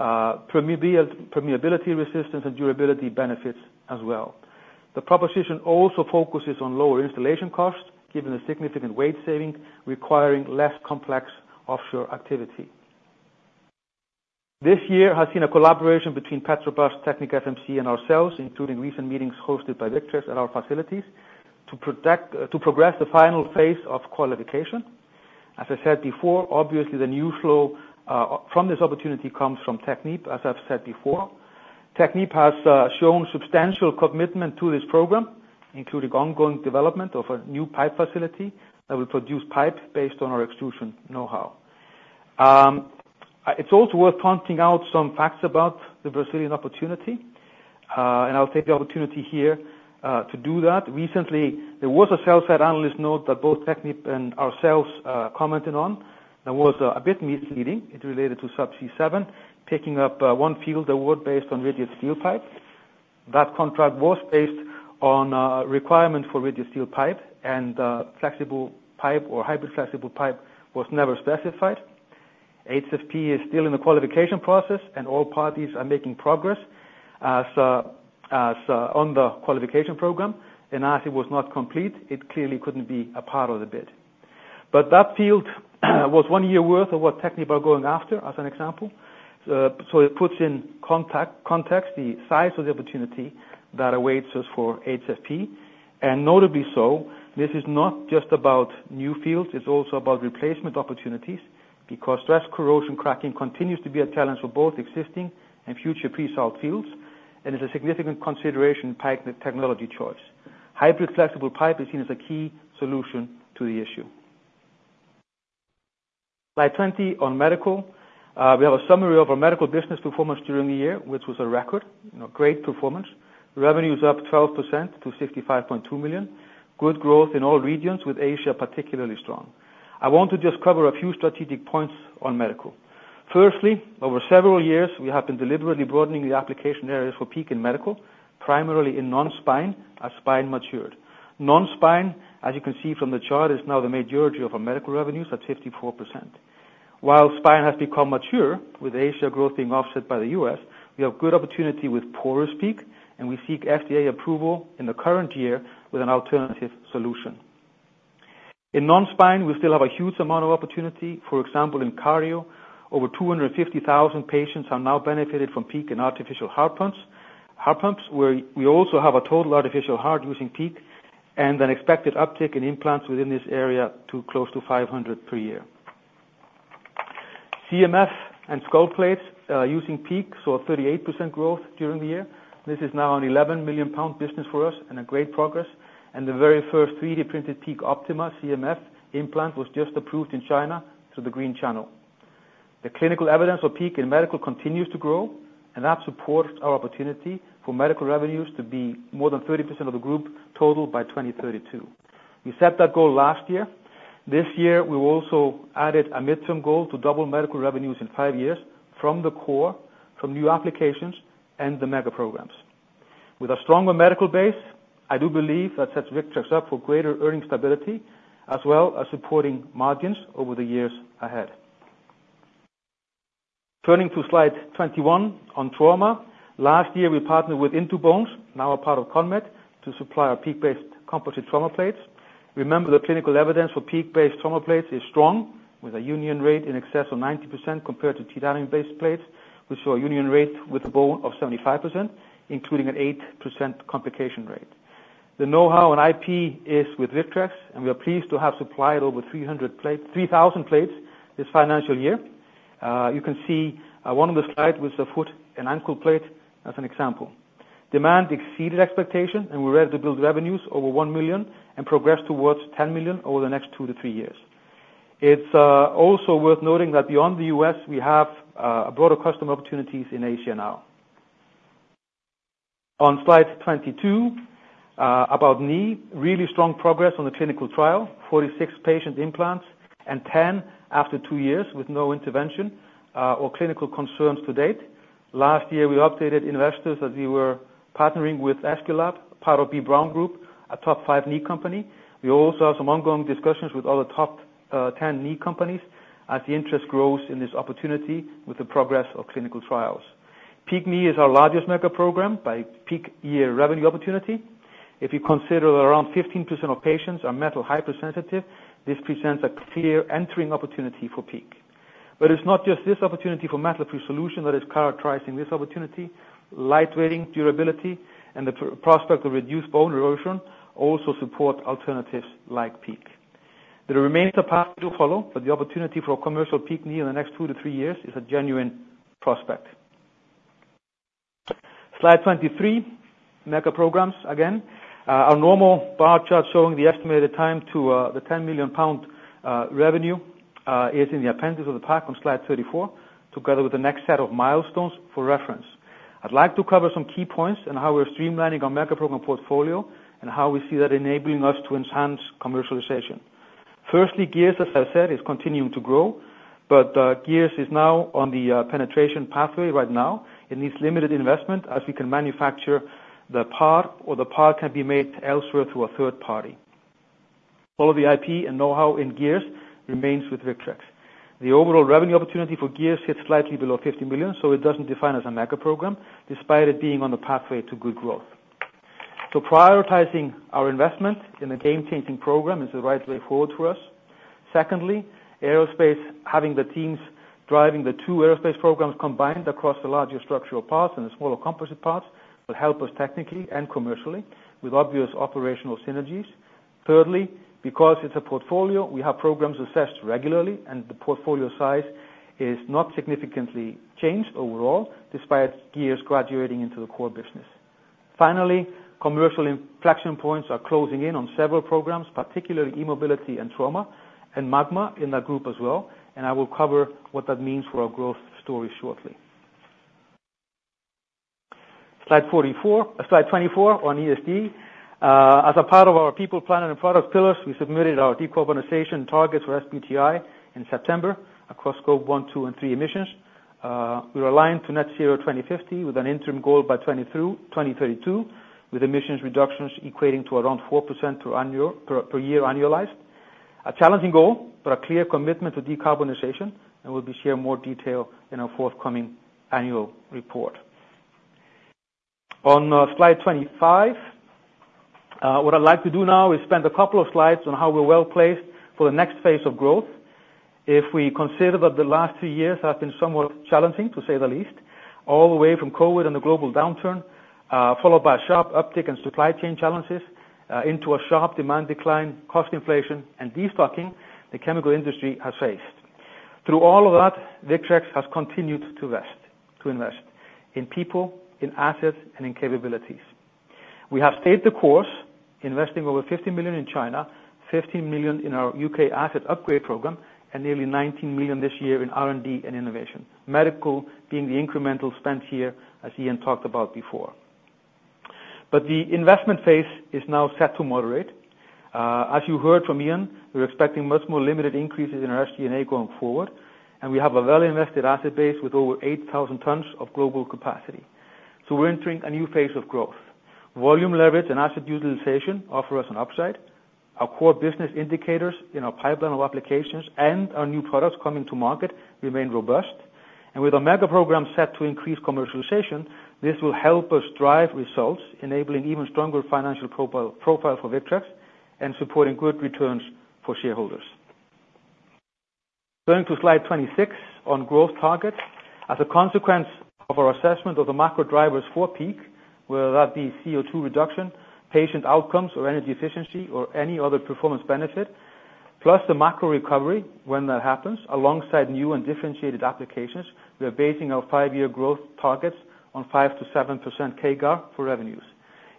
S2: permeability resistance, and durability benefits as well. The proposition also focuses on lower installation costs, given the significant weight saving, requiring less complex offshore activity. This year has seen a collaboration between Petrobras, TechnipFMC, and ourselves, including recent meetings hosted by Victrex at our facilities, to progress the final phase of qualification. As I said before, obviously, the news flow from this opportunity comes from Technip, as I've said before. Technip has shown substantial commitment to this program, including ongoing development of a new pipe facility that will produce pipes based on our extrusion know-how. It's also worth pointing out some facts about the Brazilian opportunity, and I'll take the opportunity here to do that. Recently, there was a sell-side analyst note that both Technip and ourselves commented on, that was a bit misleading. It related to Subsea 7, picking up one field, the work based on rigid steel pipe. That contract was based on a requirement for rigid steel pipe, and flexible pipe or hybrid flexible pipe was never specified. HFP is still in the qualification process, and all parties are making progress as on the qualification program, and as it was not complete, it clearly couldn't be a part of the bid. But that field was one year worth of what TechnipFMC are going after, as an example. So it puts in context the size of the opportunity that awaits us for HFP, and notably so, this is not just about new fields, it's also about replacement opportunities, because stress corrosion cracking continues to be a challenge for both existing and future pre-salt fields, and is a significant consideration in pipe technology choice. Hybrid flexible pipe is seen as a key solution to the issue. Slide 20 on medical. We have a summary of our medical business performance during the year, which was a record, you know, great performance. Revenues up 12% to 65.2 million. Good growth in all regions, with Asia particularly strong. I want to just cover a few strategic points on medical. Firstly, over several years, we have been deliberately broadening the application areas for PEEK in medical, primarily in non-spine, as spine matured. Non-spine, as you can see from the chart, is now the majority of our medical revenues at 54%. While spine has become mature, with Asia growth being offset by the U.S., we have good opportunity with porous PEEK, and we seek FDA approval in the current year with an alternative solution. In non-spine, we still have a huge amount of opportunity. For example, in cardio, over 250,000 patients are now benefited from PEEK in artificial heart pumps, heart pumps, where we also have a total artificial heart using PEEK and an expected uptick in implants within this area to close to 500 per year. CMF and skull plates using PEEK saw 38% growth during the year. This is now an 11 million pound business for us and a great progress, and the very first 3D printed PEEK-OPTIMA CMF implant was just approved in China through the green channel. The clinical evidence for PEEK in medical continues to grow, and that supports our opportunity for medical revenues to be more than 30% of the group total by 2032. We set that goal last year. This year, we also added a midterm goal to double medical revenues in five years from the core, from new applications, and the mega programs. With a stronger medical base, I do believe that sets Victrex up for greater earning stability, as well as supporting margins over the years ahead. Turning to slide 21 on trauma. Last year, we partnered with In2Bones, now a part of CONMED, to supply our PEEK-based composite trauma plates. Remember, the clinical evidence for PEEK-based trauma plates is strong, with a union rate in excess of 90% compared to titanium-based plates. We saw a union rate with a bone of 75%, including an 8% complication rate. The know-how and IP is with Victrex, and we are pleased to have supplied over 3,000 plates this financial year. You can see one on the slide with the foot and ankle plate as an example. Demand exceeded expectation, and we're ready to build revenues over 1 million and progress towards 10 million over the next two to three years. It's also worth noting that beyond the U.S., we have broader customer opportunities in Asia now. On slide 22, about knee. Really strong progress on the clinical trial, 46 patient implants, and 10 after two years with no intervention or clinical concerns to date. Last year, we updated investors that we were partnering with Aesculap, part of B. Braun Group, a top five knee company. We also have some ongoing discussions with other top 10 knee companies as the interest grows in this opportunity with the progress of clinical trials. PEEK knee is our largest mega program by PEEK year revenue opportunity. If you consider that around 15% of patients are metal hypersensitive, this presents a clear entering opportunity for PEEK. But it's not just this opportunity for metal-free solution that is characterizing this opportunity. Light weighting, durability, and the prospect of reduced bone erosion also support alternatives like PEEK. There remains a path to follow, but the opportunity for commercial PEEK knee in the next two to three years is a genuine prospect. Slide 23, mega programs again. Our normal bar chart showing the estimated time to the 10 million pound revenue is in the appendix of the pack on Slide 34, together with the next set of milestones for reference. I'd like to cover some key points on how we're streamlining our mega program portfolio and how we see that enabling us to enhance commercialization. Firstly, gears, as I said, is continuing to grow, but, gears is now on the penetration pathway right now. It needs limited investment as we can manufacture the part, or the part can be made elsewhere through a third party. All of the IP and know-how in gears remains with Victrex. The overall revenue opportunity for gears sits slightly below 50 million, so it doesn't define as a mega program, despite it being on the pathway to good growth. Prioritizing our investment in a game-changing program is the right way forward for us. Secondly, aerospace, having the teams driving the two aerospace programs combined across the larger structural parts and the smaller composite parts, will help us technically and commercially with obvious operational synergies. Thirdly, because it's a portfolio, we have programs assessed regularly, and the portfolio size is not significantly changed overall, despite gears graduating into the core business. Finally, commercial inflection points are closing in on several programs, particularly e-mobility and trauma, and Magma in that group as well, and I will cover what that means for our growth story shortly. Slide 24 on ESG. As a part of our people, planet, and product pillars, we submitted our decarbonization targets for SBTi in September across Scope 1, 2, and 3 emissions. We're aligned to net zero 2050, with an interim goal by 2032, with emissions reductions equating to around 4% per year annualized. A challenging goal, but a clear commitment to decarbonization, and we'll be sharing more detail in our forthcoming annual report. On slide 25, what I'd like to do now is spend a couple of slides on how we're well-placed for the next phase of growth. If we consider that the last two years have been somewhat challenging, to say the least, all the way from COVID and the global downturn, followed by a sharp uptick in supply chain challenges, into a sharp demand decline, cost inflation, and destocking, the chemical industry has faced. Through all of that, Victrex has continued to invest in people, in assets, and in capabilities. We have stayed the course, investing over 50 million in China, 50 million in our U.K. asset upgrade program, and nearly 19 million this year in R&D and innovation. Medical being the incremental spend here, as Ian talked about before. But the investment phase is now set to moderate. As you heard from Ian, we're expecting much more limited increases in our SG&A going forward, and we have a well-invested asset base with over 8,000 tons of global capacity. So we're entering a new phase of growth. Volume leverage and asset utilization offer us an upside. Our core business indicators in our pipeline of applications and our new products coming to market remain robust. And with our mega program set to increase commercialization, this will help us drive results, enabling even stronger financial profile, profile for Victrex, and supporting good returns for shareholders. Going to slide 26 on growth targets. As a consequence of our assessment of the macro drivers for PEEK, whether that be CO2 reduction, patient outcomes or energy efficiency or any other performance benefit, plus the macro recovery when that happens, alongside new and differentiated applications, we are basing our five-year growth targets on 5%-7% CAGR for revenues.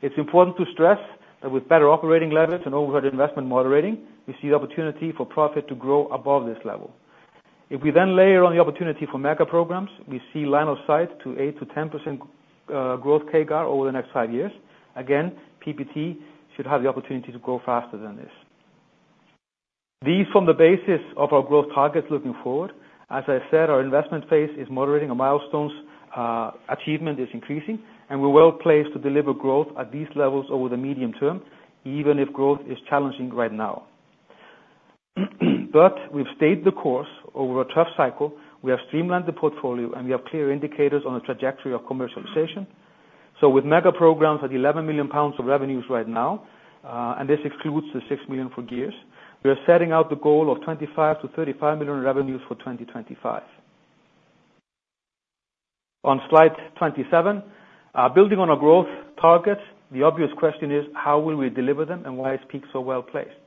S2: It's important to stress that with better operating leverage and overhead investment moderating, we see the opportunity for profit to grow above this level. If we then layer on the opportunity for mega programs, we see line of sight to 8%-10% growth CAGR over the next five years. Again, PBT should have the opportunity to grow faster than this. These form the basis of our growth targets looking forward. As I said, our investment phase is moderating, our milestones achievement is increasing, and we're well placed to deliver growth at these levels over the medium term, even if growth is challenging right now. But we've stayed the course over a tough cycle, we have streamlined the portfolio, and we have clear indicators on the trajectory of commercialization. So with mega programs at 11 million pounds revenues right now, and this excludes the 6 million for gears, we are setting out the goal of 25 million-35 million revenues for 2025. On slide 27, building on our growth targets, the obvious question is: How will we deliver them, and why is PEEK so well placed?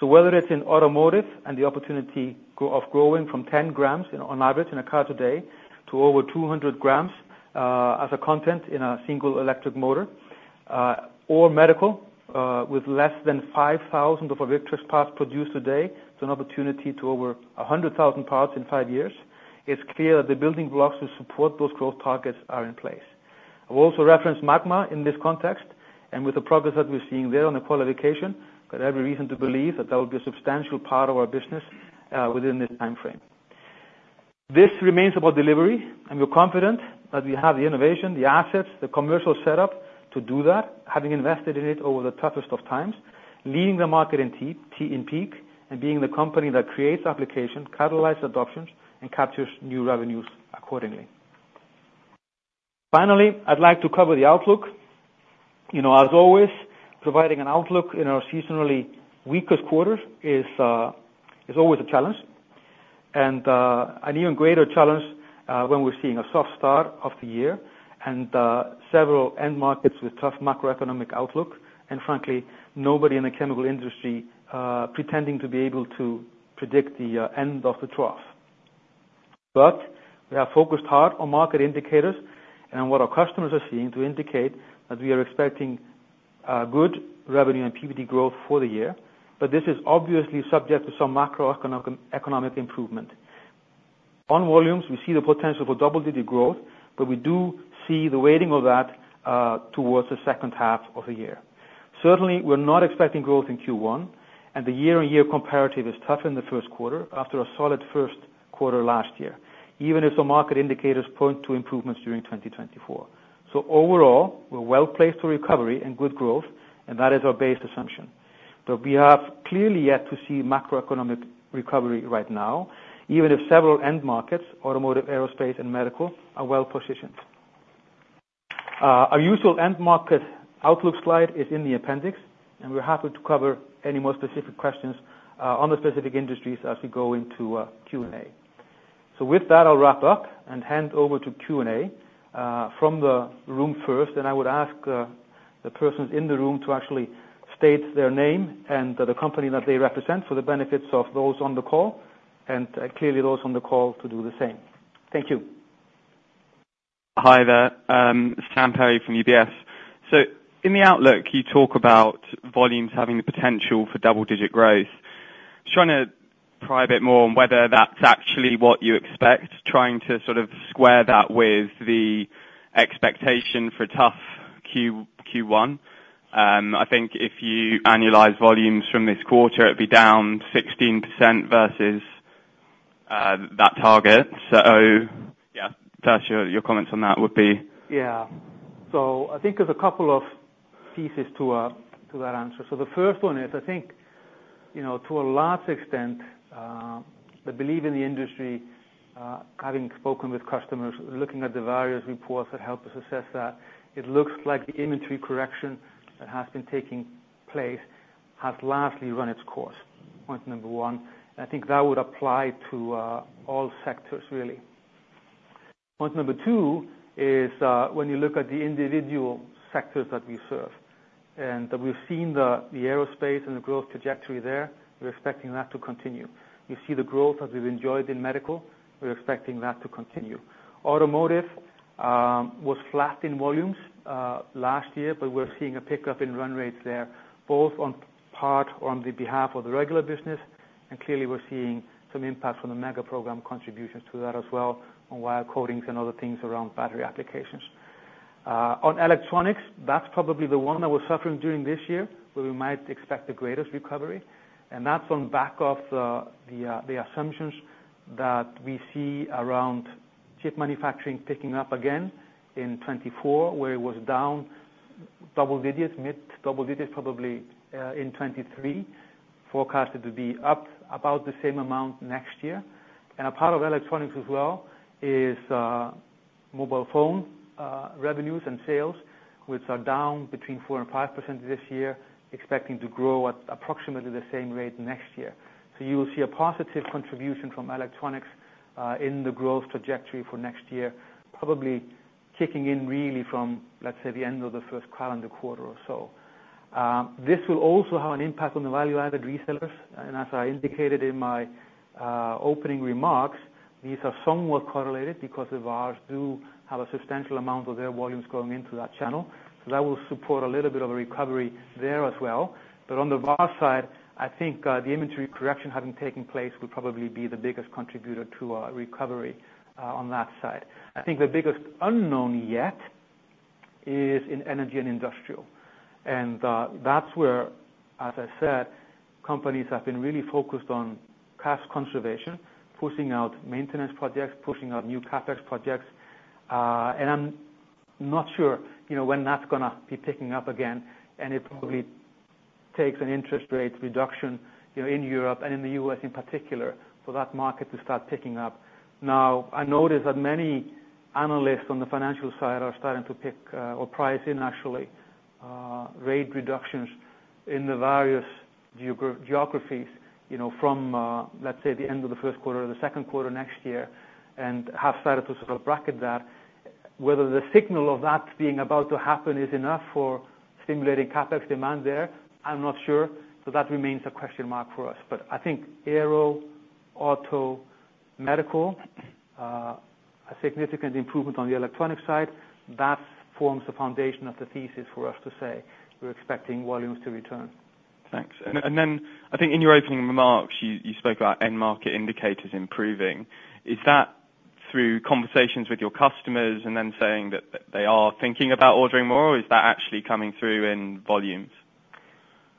S2: So whether it's in automotive and the opportunity of growing from 10 gm on average in a car today, to over 200 gm as a content in a single electric motor, or medical, with less than 5,000 of our Victrex parts produced today, it's an opportunity to over 100,000 parts in five years. It's clear that the building blocks to support those growth targets are in place. I've also referenced Magma in this context, and with the progress that we're seeing there on the qualification, got every reason to believe that that will be a substantial part of our business within this time frame. This remains about delivery, and we're confident that we have the innovation, the assets, the commercial setup to do that, having invested in it over the toughest of times, leading the market in PEEK, and being the company that creates applications, catalyzes adoptions, and captures new revenues accordingly. Finally, I'd like to cover the outlook. You know, as always, providing an outlook in our seasonally weakest quarter is always a challenge. And an even greater challenge when we're seeing a soft start of the year and several end markets with tough macroeconomic outlook, and frankly, nobody in the chemical industry pretending to be able to predict the end of the trough. But we have focused hard on market indicators and what our customers are seeing to indicate that we are expecting good revenue and PBT growth for the year, but this is obviously subject to some macroeconomic, economic improvement. On volumes, we see the potential for double-digit growth, but we do see the weighting of that towards the second half of the year. Certainly, we're not expecting growth in Q1, and the year-on-year comparative is tough in the first quarter after a solid first quarter last year, even if the market indicators point to improvements during 2024. So overall, we're well placed for recovery and good growth, and that is our base assumption. But we have clearly yet to see macroeconomic recovery right now, even if several end markets, automotive, aerospace, and medical, are well positioned. Our usual end market outlook slide is in the appendix, and we're happy to cover any more specific questions, on the specific industries as we go into, Q&A. So with that, I'll wrap up and hand over to Q&A, from the room first, and I would ask, the persons in the room to actually state their name and the company that they represent for the benefits of those on the call, and, clearly those on the call to do the same. Thank you.
S4: Hi there, Sam Perry from UBS. So in the outlook, you talk about volumes having the potential for double-digit growth. Just trying to pry a bit more on whether that's actually what you expect, trying to sort of square that with the expectation for a tough Q1. I think if you annualize volumes from this quarter, it'd be down 16% versus that target. So yeah, just your comments on that would be?
S2: Yeah. So I think there's a couple of pieces to that answer. So the first one is, I think, you know, to a large extent, I believe in the industry, having spoken with customers, looking at the various reports that help us assess that, it looks like the inventory correction that has been taking place has lastly run its course. Point number one. I think that would apply to all sectors, really. Point number two is, when you look at the individual sectors that we serve, and we've seen the aerospace and the growth trajectory there, we're expecting that to continue. We see the growth that we've enjoyed in medical, we're expecting that to continue. Automotive was flat in volumes last year, but we're seeing a pickup in run rates there, both on part on the behalf of the regular business, and clearly we're seeing some impact from the mega program contributions to that as well, on wire coatings and other things around battery applications. On electronics, that's probably the one that we're suffering during this year, where we might expect the greatest recovery, and that's on back of the assumptions that we see around chip manufacturing picking up again in 2024, where it was down double digits, mid double digits, probably, in 2023. Forecasted to be up about the same amount next year. A part of electronics as well is mobile phone revenues and sales, which are down between 4% and 5% this year, expecting to grow at approximately the same rate next year. So you will see a positive contribution from electronics in the growth trajectory for next year, probably kicking in really from, let's say, the end of the first calendar quarter or so. This will also have an impact on the Value-Added Resellers, and as I indicated in my opening remarks, these are somewhat correlated because the VARs do have a substantial amount of their volumes going into that channel. So that will support a little bit of a recovery there as well. But on the VAR side, I think the inventory correction having taken place will probably be the biggest contributor to recovery on that side. I think the biggest unknown yet is in energy and industrial. And that's where, as I said, companies have been really focused on cost conservation, pushing out maintenance projects, pushing out new CapEx projects. And I'm not sure, you know, when that's gonna be picking up again, and it probably takes an interest rate reduction, you know, in Europe and in the U.S. in particular, for that market to start picking up. Now, I notice that many analysts on the financial side are starting to pick or price in actually rate reductions in the various geographies, you know, from, let's say, the end of the first quarter or the second quarter next year and have started to sort of bracket that. Whether the signal of that being about to happen is enough for stimulating CapEx demand there, I'm not sure, so that remains a question mark for us. But I think aero, auto, medical, a significant improvement on the electronic side, that forms the foundation of the thesis for us to say we're expecting volumes to return.
S4: Thanks. And then I think in your opening remarks, you spoke about end market indicators improving. Is that through conversations with your customers and them saying that they are thinking about ordering more, or is that actually coming through in volumes?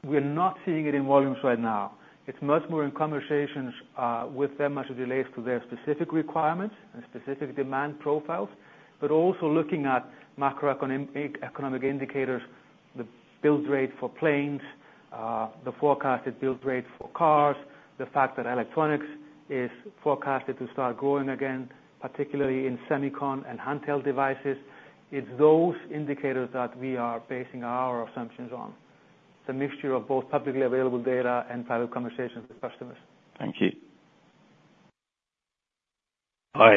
S2: We're not seeing it in volumes right now. It's much more in conversations with them as it relates to their specific requirements and specific demand profiles, but also looking at macroeconomic, economic indicators, the build rate for planes, the forecasted build rate for cars, the fact that electronics is forecasted to start growing again, particularly in semicon and handheld devices. It's those indicators that we are basing our assumptions on. It's a mixture of both publicly available data and private conversations with customers.
S4: Thank you.
S5: Hi,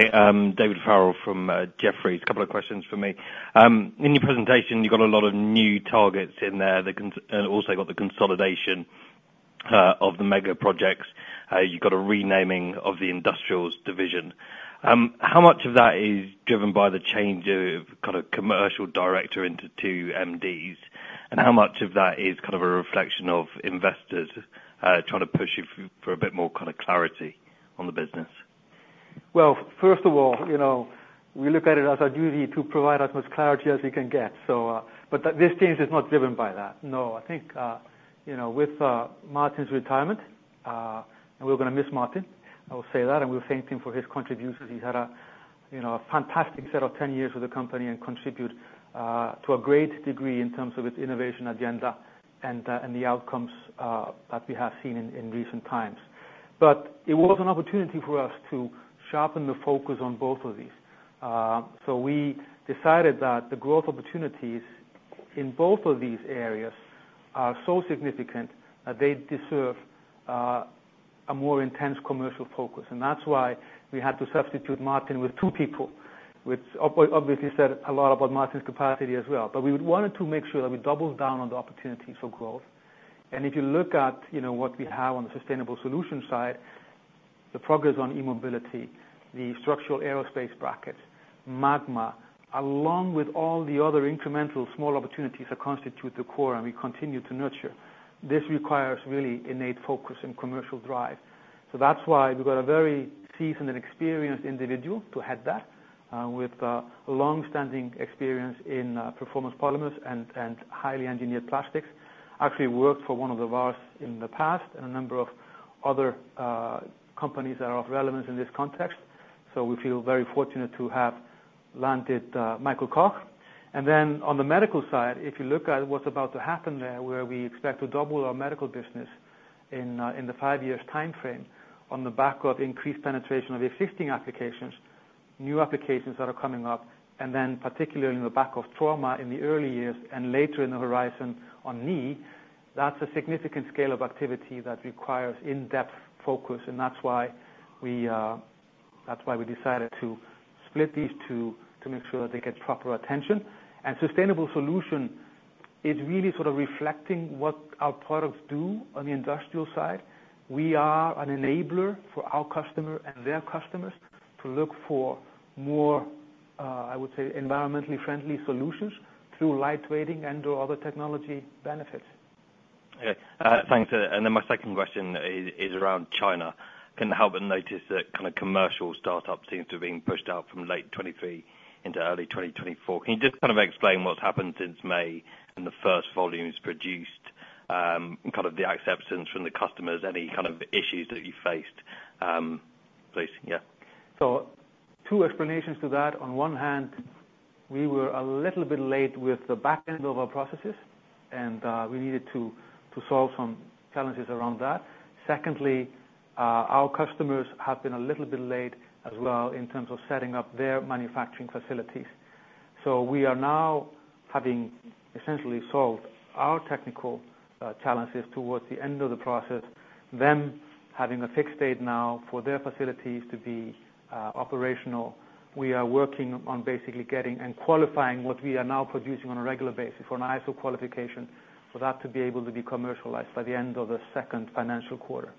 S5: David Farrell from Jefferies. A couple of questions from me. In your presentation, you've got a lot of new targets in there, and also got the consolidation of the mega projects. You've got a renaming of the industrials division. How much of that is driven by the change of kind of commercial director into two MDs? And how much of that is kind of a reflection of investors trying to push you for a bit more kind of clarity on the business?
S2: Well, first of all, you know, we look at it as our duty to provide as much clarity as we can get, so, but this change is not driven by that. No, I think, you know, with Martin's retirement, and we're gonna miss Martin, I will say that, and we thank him for his contributions. He's had a, you know, a fantastic set of 10 years with the company and contribute to a great degree in terms of its innovation agenda and the outcomes that we have seen in recent times. But it was an opportunity for us to sharpen the focus on both of these. So we decided that the growth opportunities in both of these areas are so significant that they deserve a more intense commercial focus. And that's why we had to substitute Martin with two people, which obviously said a lot about Martin's capacity as well. But we wanted to make sure that we double down on the opportunities for growth. And if you look at, you know, what we have on the Sustainable Solution side, the progress on e-mobility, the structural aerospace bracket, Magma, along with all the other incremental small opportunities that constitute the core and we continue to nurture, this requires really innate focus and commercial drive. So that's why we've got a very seasoned and experienced individual to head that, with long-standing experience in performance polymers and highly engineered plastics. Actually worked for one of the VARs in the past and a number of other companies that are of relevance in this context, so we feel very fortunate to have landed Michael Koch. And then on the medical side, if you look at what's about to happen there, where we expect to double our medical business in, in the five years timeframe on the back of increased penetration of existing applications, new applications that are coming up, and then particularly in the back of trauma in the early years and later in the horizon on knee, that's a significant scale of activity that requires in-depth focus, and that's why we, that's why we decided to split these two to make sure that they get proper attention. And sustainable solution is really sort of reflecting what our products do on the industrial side. We are an enabler for our customer and their customers to look for more, I would say, environmentally friendly solutions through light weighting and through other technology benefits.
S5: Okay, thanks. And then my second question is around China. Can't help but notice that kind of commercial startup seems to have been pushed out from late 2023 into early 2024. Can you just kind of explain what's happened since May and the first volumes produced? Kind of the acceptance from the customers, any kind of issues that you faced, please? Yeah.
S2: So two explanations to that. On one hand, we were a little bit late with the back end of our processes, and, we needed to solve some challenges around that. Secondly, our customers have been a little bit late as well in terms of setting up their manufacturing facilities. So we are now having essentially solved our technical challenges towards the end of the process, them having a fixed date now for their facilities to be operational. We are working on basically getting and qualifying what we are now producing on a regular basis for an ISO qualification for that to be able to be commercialized by the end of the second financial quarter.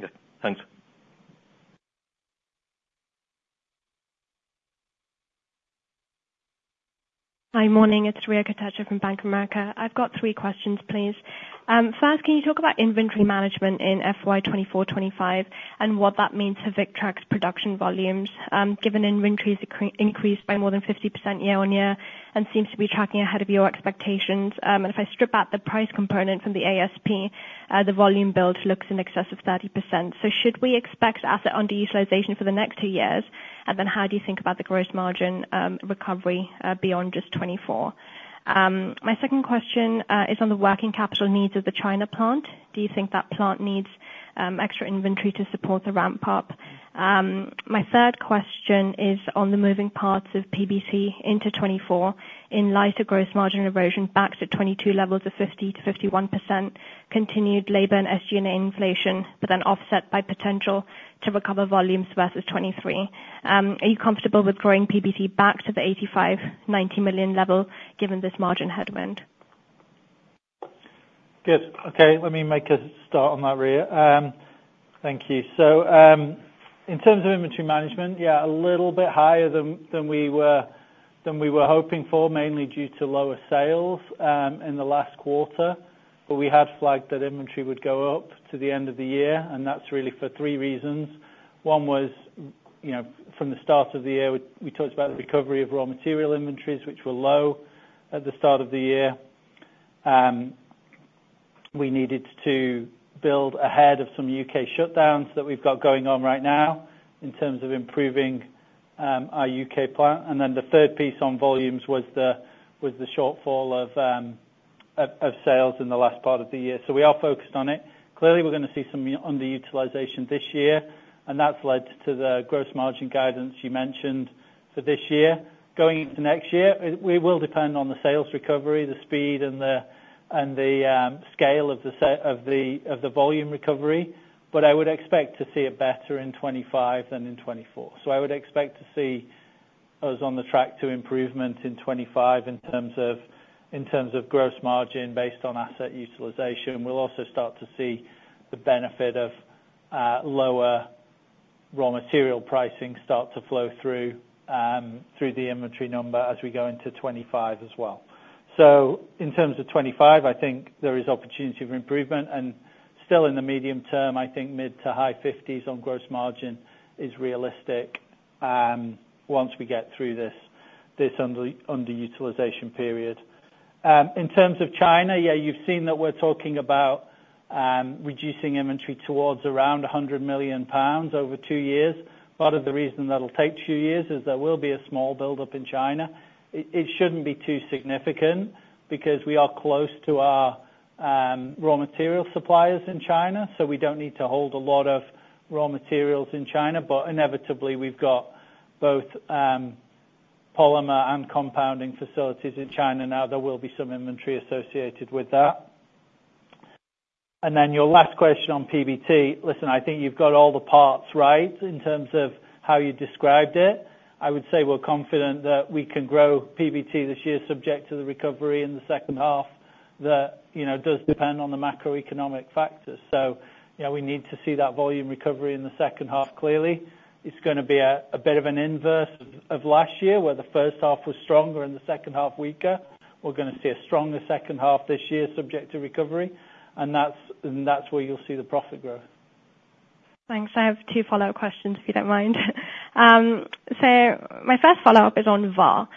S5: Yes, thanks.
S6: Hi, morning, it's Riya Kotecha from Bank of America. I've got three questions, please. First, can you talk about inventory management in FY 2024, 2025, and what that means for Victrex production volumes, given inventories increased by more than 50% year-on-year, and seems to be tracking ahead of your expectations. And if I strip out the price component from the ASP, the volume build looks in excess of 30%. So should we expect asset underutilization for the next two years? And then how do you think about the gross margin recovery beyond just 2024? My second question is on the working capital needs of the China plant. Do you think that plant needs extra inventory to support the ramp up? My third question is on the moving parts of PBT into 2024, in light of gross margin erosion back to 2022 levels of 50%-51%, continued labor and SG&A inflation, but then offset by potential to recover volumes versus 2023. Are you comfortable with growing PBT back to the £85 million-£90 million level, given this margin headwind?
S3: Good. Okay, let me make a start on that, Riya. Thank you. So, in terms of inventory management, yeah, a little bit higher than we were hoping for, mainly due to lower sales in the last quarter. But we have flagged that inventory would go up to the end of the year, and that's really for three reasons. One was, you know, from the start of the year, we talked about the recovery of raw material inventories, which were low at the start of the year. We needed to build ahead of some U.K. shutdowns that we've got going on right now in terms of improving our U.K. plant. And then the third piece on volumes was the shortfall of sales in the last part of the year. So we are focused on it. Clearly, we're gonna see some underutilization this year, and that's led to the gross margin guidance you mentioned for this year. Going into next year, it will depend on the sales recovery, the speed and the scale of the volume recovery, but I would expect to see it better in 2025 than in 2024. So I would expect to see us on the track to improvement in 2025 in terms of gross margin based on asset utilization. We'll also start to see the benefit of lower raw material pricing start to flow through the inventory number as we go into 2025 as well. So in terms of 2025, I think there is opportunity for improvement, and still in the medium term, I think mid to high 50%s on gross margin is realistic, once we get through this underutilization period. In terms of China, yeah, you've seen that we're talking about reducing inventory towards around 100 million pounds over two years. Part of the reason that'll take two years is there will be a small buildup in China. It shouldn't be too significant, because we are close to our raw material suppliers in China, so we don't need to hold a lot of raw materials in China. But inevitably, we've got both polymer and compounding facilities in China. Now, there will be some inventory associated with that. And then your last question on PBT. Listen, I think you've got all the parts right in terms of how you described it. I would say we're confident that we can grow PBT this year, subject to the recovery in the second half. That, you know, does depend on the macroeconomic factors. So, you know, we need to see that volume recovery in the second half clearly. It's gonna be a bit of an inverse of last year, where the first half was stronger and the second half weaker. We're gonna see a stronger second half this year, subject to recovery, and that's where you'll see the profit growth.
S6: Thanks. I have two follow-up questions, if you don't mind. So my first follow-up is on VAR.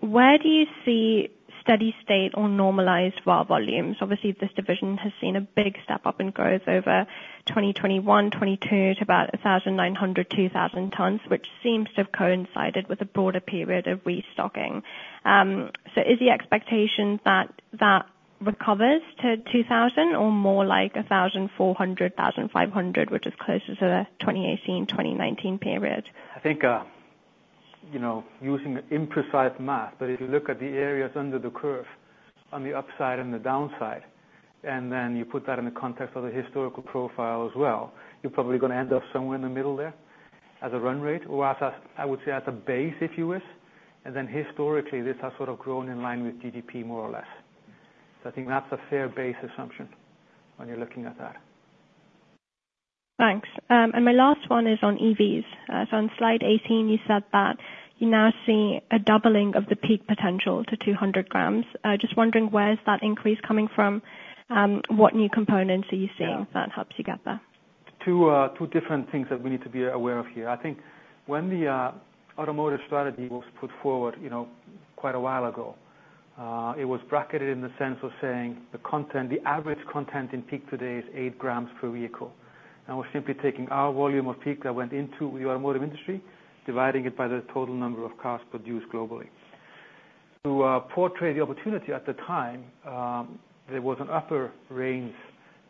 S6: Where do you see steady state or normalized VAR volumes? Obviously, this division has seen a big step up in growth over 2021-2022, to about 1,900-2,000 tons, which seems to have coincided with a broader period of restocking. So is the expectation that that recovers to 2,000 or more like 1,400-1,500, which is closer to the 2018-2019 period?
S2: I think, you know, using imprecise math, but if you look at the areas under the curve on the upside and the downside, and then you put that in the context of the historical profile as well, you're probably gonna end up somewhere in the middle there as a run rate or as a, I would say, as a base, if you wish. And then historically, this has sort of grown in line with GDP, more or less. So I think that's a fair base assumption when you're looking at that.
S6: Thanks. My last one is on EVs. On slide 18, you said that you're now seeing a doubling of the PEEK potential to 200 gm. Just wondering, where is that increase coming from? What new components are you seeing that helps you get there?
S2: Two different things that we need to be aware of here. I think when the automotive strategy was put forward, you know, quite a while ago, it was bracketed in the sense of saying the content, the average content in PEEK today is 8 gm per vehicle. And we're simply taking our volume of PEEK that went into the automotive industry, dividing it by the total number of cars produced globally. To, portray the opportunity at the time, there was an upper range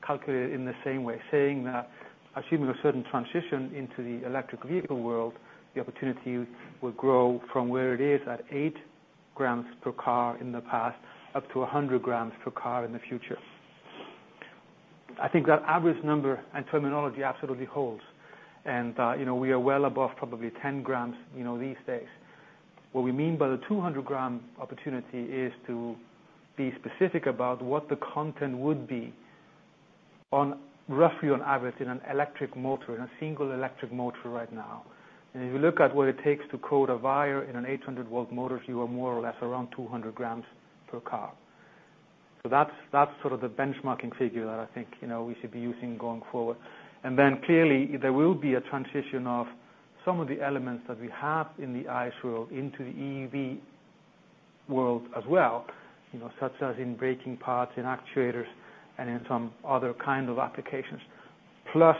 S2: calculated in the same way, saying that assuming a certain transition into the electric vehicle world, the opportunity would grow from where it is at 8 gm per car in the past, up to 100 gm per car in the future. I think that average number and terminology absolutely holds, and, you know, we are well above probably 10 gm, you know, these days. What we mean by the 200 gm opportunity is to be specific about what the content would be on, roughly on average, in an electric motor, in a single electric motor right now. And if you look at what it takes to coat a wire in an 800 V motor, you are more or less around 200 gm per car. So that's, that's sort of the benchmarking figure that I think, you know, we should be using going forward. And then clearly, there will be a transition of some of the elements that we have in the ICE world into the EV world as well, you know, such as in braking parts, in actuators, and in some other kind of applications. Plus,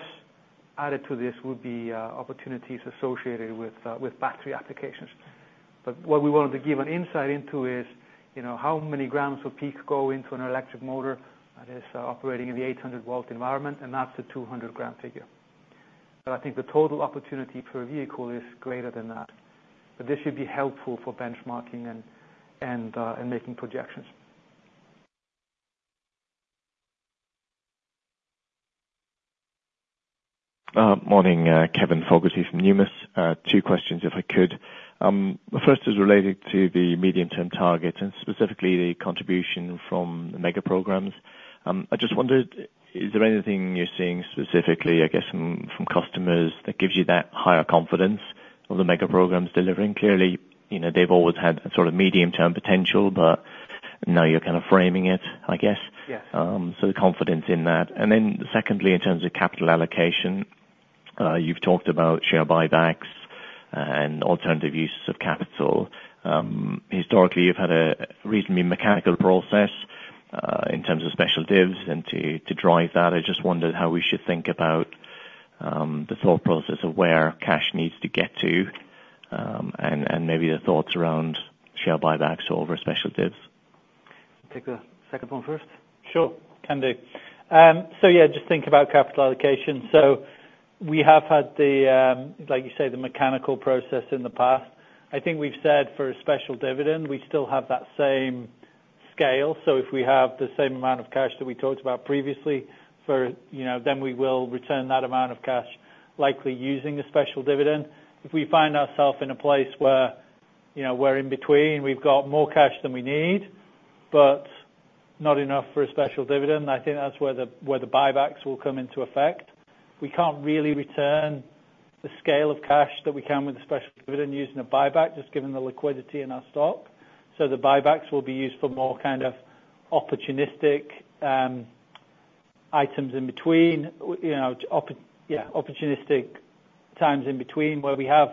S2: added to this would be opportunities associated with battery applications. But what we wanted to give an insight into is, you know, how many grams of PEEK go into an electric motor that is operating in the 800 V environment, and that's the 200 gm figure. But I think the total opportunity per vehicle is greater than that. But this should be helpful for benchmarking and making projections.
S7: Morning, Kevin Fogarty from Numis. Two questions, if I could. The first is related to the medium-term target and specifically the contribution from the mega programs. I just wondered, is there anything you're seeing specifically, I guess, from, from customers that gives you that higher confidence of the mega programs delivering? Clearly, you know, they've always had a sort of medium-term potential, but now you're kind of framing it, I guess.
S2: Yes.
S7: So the confidence in that. And then secondly, in terms of capital allocation, you've talked about share buybacks and alternative uses of capital. Historically, you've had a reasonably mechanical process, in terms of special divs and to drive that. I just wondered how we should think about the thought process of where cash needs to get to, and maybe the thoughts around share buybacks over special divs.
S2: Take the second one first?
S3: Sure, can do. So yeah, just think about capital allocation. So we have had the, like you say, the mechanical process in the past. I think we've said for a special dividend, we still have that same scale. So if we have the same amount of cash that we talked about previously, for, you know, then we will return that amount of cash, likely using the special dividend. If we find ourself in a place where, you know, we're in between, we've got more cash than we need, but not enough for a special dividend, I think that's where the buybacks will come into effect. We can't really return the scale of cash that we can with the special dividend using a buyback, just given the liquidity in our stock. So the buybacks will be used for more kind of opportunistic items in between, you know, opportunistic times in between, where we have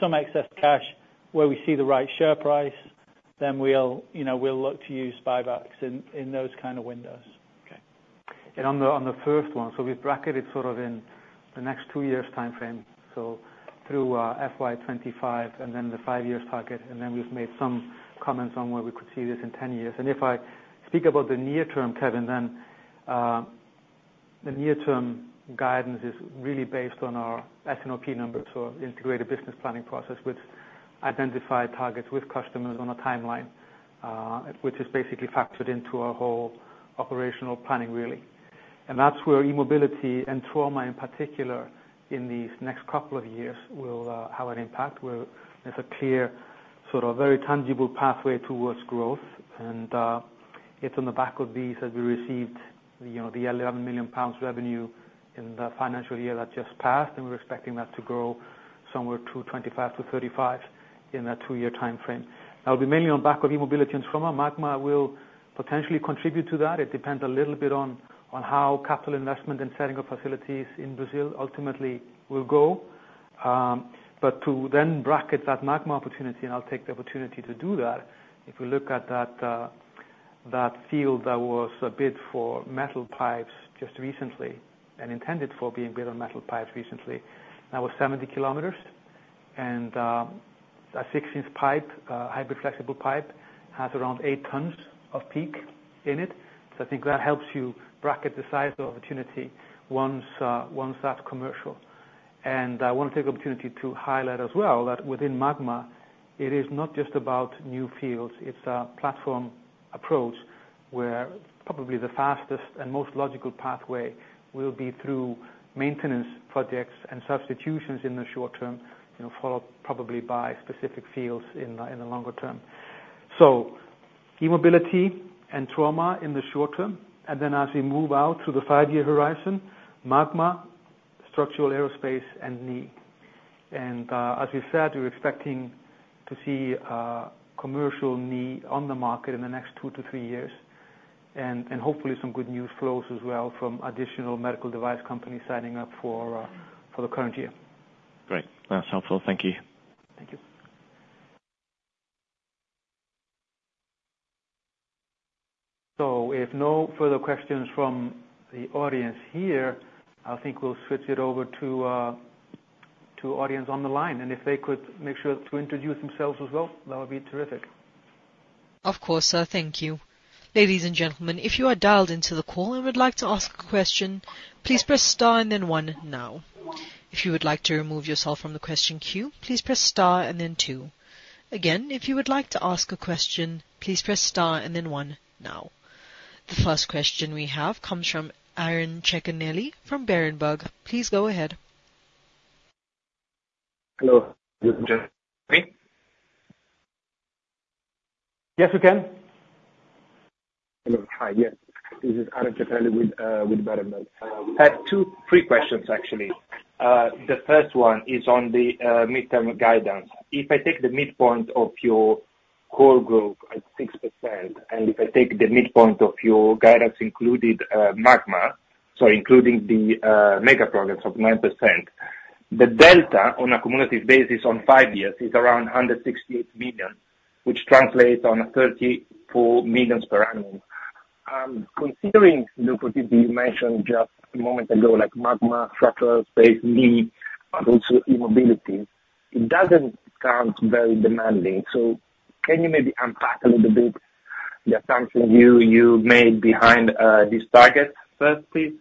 S3: some excess cash, where we see the right share price, then we'll, you know, we'll look to use buybacks in those kind of windows.
S7: Okay.
S2: On the first one, so we've bracketed sort of in the next two years' timeframe, so through FY 2025 and then the five-year target, and then we've made some comments on where we could see this in 10 years. If I speak about the near term, Kevin, then the near-term guidance is really based on our S&OP numbers, so integrated business planning process, which identify targets with customers on a timeline, which is basically factored into our whole operational planning, really. That's where e-mobility and trauma, in particular, in these next couple of years will have an impact, where there's a clear, sort of very tangible pathway towards growth. It's on the back of these that we received, you know, the 11 million pounds revenue in the financial year that just passed, and we're expecting that to grow somewhere to 25 million-35 million in that two-year timeframe. That'll be mainly on back of e-mobility and trauma. Magma will potentially contribute to that. It depends a little bit on how capital investment and setting up facilities in Brazil ultimately will go. But to then bracket that Magma opportunity, and I'll take the opportunity to do that. If we look at that, that field that was bid for metal pipes just recently, and intended for being bid on metal pipes recently, that was 70 km. A 16-inch pipe, hybrid flexible pipe, has around 8 tons of PEEK in it. So I think that helps you bracket the size of opportunity once once that's commercial. And I want to take the opportunity to highlight as well, that within Magma, it is not just about new fields, it's a platform approach where probably the fastest and most logical pathway will be through maintenance projects and substitutions in the short term, you know, followed probably by specific fields in the longer term. So e-mobility and trauma in the short term, and then as we move out to the five-year horizon, Magma, structural aerospace and knee. And as we said, we're expecting to see a commercial knee on the market in the next two to three years and hopefully some good news flows as well from additional medical device companies signing up for the current year.
S7: Great. That's helpful. Thank you.
S2: Thank you. So if no further questions from the audience here, I think we'll switch it over to, to audience on the line, and if they could make sure to introduce themselves as well, that would be terrific.
S1: Of course, sir. Thank you. Ladies and gentlemen, if you are dialed into the call and would like to ask a question, please press star and then one now. If you would like to remove yourself from the question queue, please press star and then two. Again, if you would like to ask a question, please press star and then one now. The first question we have comes from Aron Ceccarelli from Berenberg. Please go ahead.
S8: Hello. You can hear me?
S2: Yes, we can.
S8: Hello. Hi. Yes, this is Aron Ceccarelli with, with Berenberg. I had three questions, actually. The first one is on the, midterm guidance. If I take the midpoint of your core growth at 6%, and if I take the midpoint of your guidance, including, Magma, so including the, mega programs of 9%, the delta on a cumulative basis on five years is around 168 million, which translates on a 34 million per annum. Considering the opportunities you mentioned just a moment ago, like Magma, structural, space, knee, but also e-mobility, it doesn't sound very demanding. So can you maybe unpack a little bit the assumption you, you made behind, this target, firstly?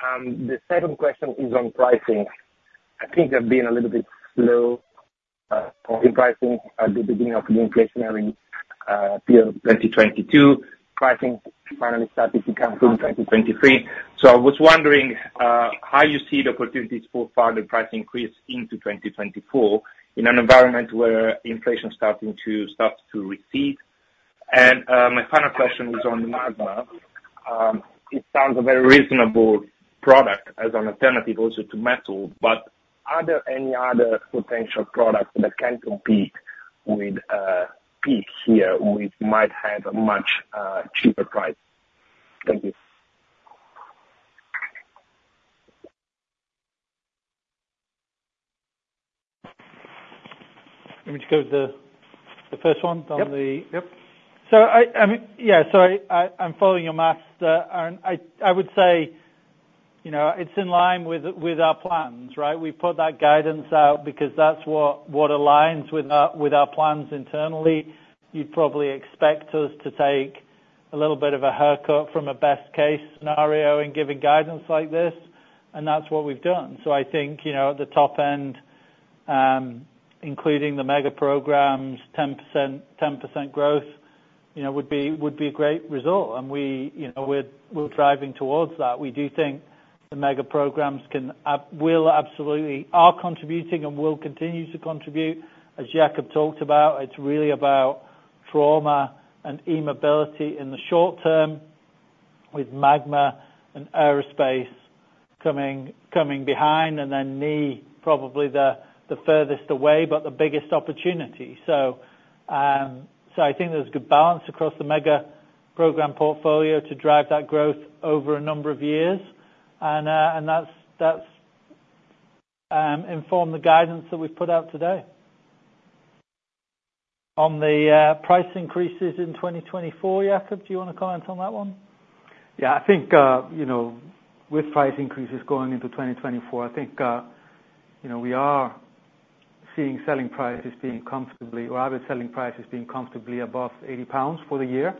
S8: The second question is on pricing. I think you have been a little bit slow on pricing at the beginning of the inflationary period, 2022. Pricing finally started to come through in 2023. So I was wondering how you see the opportunities for further price increase into 2024, in an environment where inflation starts to recede. And my final question was on Magma. It sounds a very reasonable product as an alternative also to metal, but are there any other potential products that can compete with PEEK here, which might have a much cheaper price? Thank you.
S3: Let me just go to the first one.
S2: Yep, yep.
S3: I mean, yeah, so I'm following your math there, and I would say, you know, it's in line with our plans, right? We put that guidance out because that's what aligns with our plans internally. You'd probably expect us to take a little bit of a haircut from a best case scenario in giving guidance like this, and that's what we've done. So I think, you know, at the top end, including the mega programs, 10% growth, you know, would be a great result, and we, you know, we're driving towards that. We do think the mega programs will absolutely are contributing and will continue to contribute. As Jakob talked about, it's really about trauma and e-mobility in the short term, with Magma and aerospace coming behind, and then knee probably the furthest away, but the biggest opportunity. So, I think there's a good balance across the mega program portfolio to drive that growth over a number of years. And that's informed the guidance that we've put out today. On the price increases in 2024, Jakob, do you want to comment on that one?
S2: Yeah, I think, you know, with price increases going into 2024, I think, you know, we are seeing selling prices being comfortably, or rather, selling prices being comfortably above 80 pounds for the year.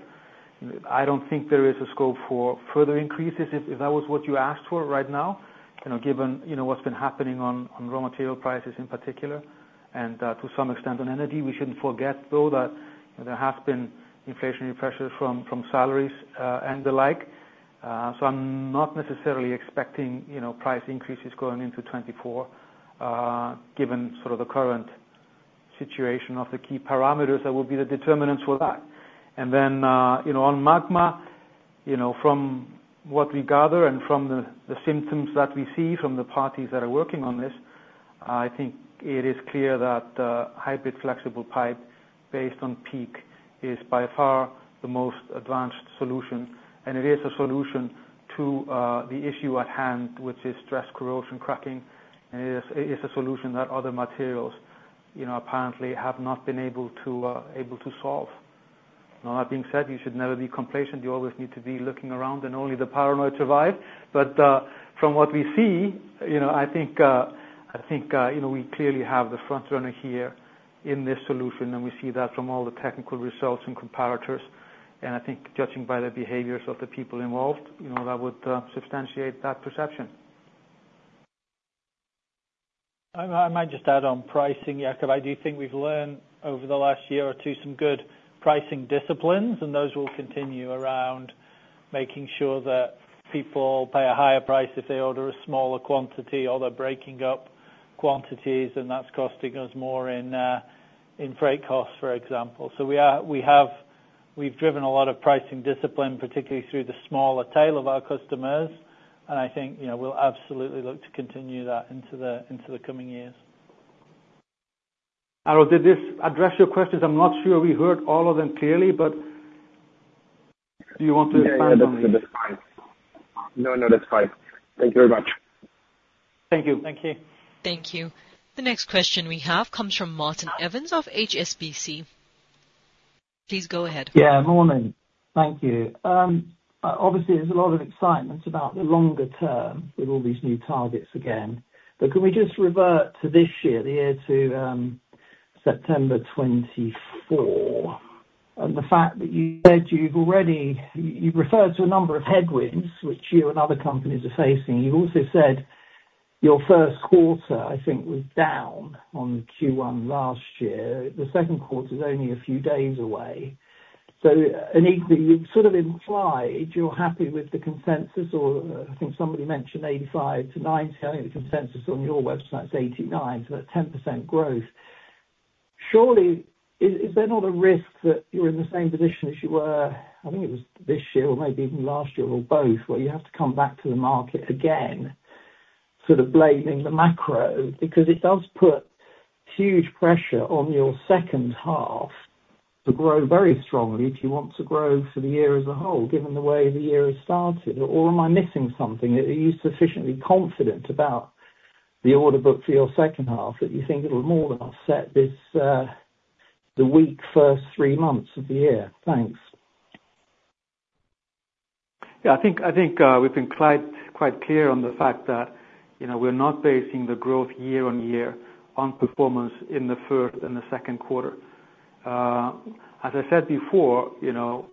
S2: I don't think there is a scope for further increases if that was what you asked for right now, you know, given, you know, what's been happening on raw material prices in particular and, to some extent on energy. We shouldn't forget, though, that there has been inflationary pressures from salaries and the like. So I'm not necessarily expecting, you know, price increases going into 2024, given sort of the current situation of the key parameters that will be the determinants for that. Then, you know, on Magma, you know, from what we gather and from the symptoms that we see from the parties that are working on this, I think it is clear that hybrid flexible pipe, based on PEEK, is by far the most advanced solution. And it is a solution to the issue at hand, which is stress corrosion cracking. And it is a solution that other materials, you know, apparently have not been able to able to solve. Now, that being said, you should never be complacent. You always need to be looking around, and only the paranoid survive. But from what we see, you know, I think, you know, we clearly have the front runner here in this solution, and we see that from all the technical results and comparators. I think judging by the behaviors of the people involved, you know, that would substantiate that perception.
S3: I might just add on pricing, Jakob. I do think we've learned over the last year or two some good pricing disciplines, and those will continue around making sure that people pay a higher price if they order a smaller quantity, or they're breaking up quantities, and that's costing us more in freight costs, for example. So we have, we've driven a lot of pricing discipline, particularly through the smaller tail of our customers, and I think, you know, we'll absolutely look to continue that into the coming years.
S2: Aron, did this address your questions? I'm not sure we heard all of them clearly, but do you want to expand on them?
S8: Yeah, yeah, that's fine. No, no, that's fine. Thank you very much.
S2: Thank you.
S1: Thank you. Thank you. The next question we have comes from Martin Evans of HSBC. Please go ahead.
S9: Yeah, morning. Thank you. Obviously, there's a lot of excitement about the longer term with all these new targets again. But can we just revert to this year, the year to September 2024, and the fact that you said you've already referred to a number of headwinds which you and other companies are facing. You also said your first quarter, I think was down on Q1 last year. The second quarter is only a few days away. So, you sort of implied you're happy with the consensus, or I think somebody mentioned 85-GBP90. I think the consensus on your website is 89, so that's 10% growth. Surely, is there not a risk that you're in the same position as you were, I think it was this year or maybe even last year, or both, where you have to come back to the market again, sort of blaming the macro? Because it does put huge pressure on your second half to grow very strongly if you want to grow for the year as a whole, given the way the year has started, or am I missing something? Are you sufficiently confident about the order book for your second half that you think it'll more than offset the weak first three months of the year? Thanks.
S2: Yeah, I think, we've been quite clear on the fact that, you know, we're not basing the growth year-over-year on performance in the first and the second quarter. As I said before, you know,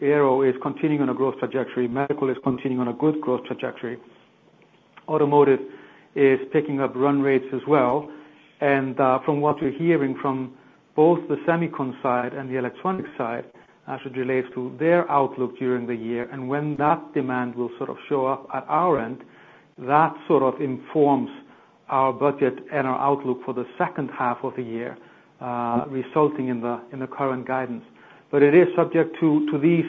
S2: aero is continuing on a growth trajectory. Medical is continuing on a good growth trajectory. Automotive is picking up run rates as well, and from what we're hearing from both the semicon side and the electronics side, as it relates to their outlook during the year. And when that demand will sort of show up at our end, that sort of informs our budget and our outlook for the second half of the year, resulting in the current guidance. But it is subject to these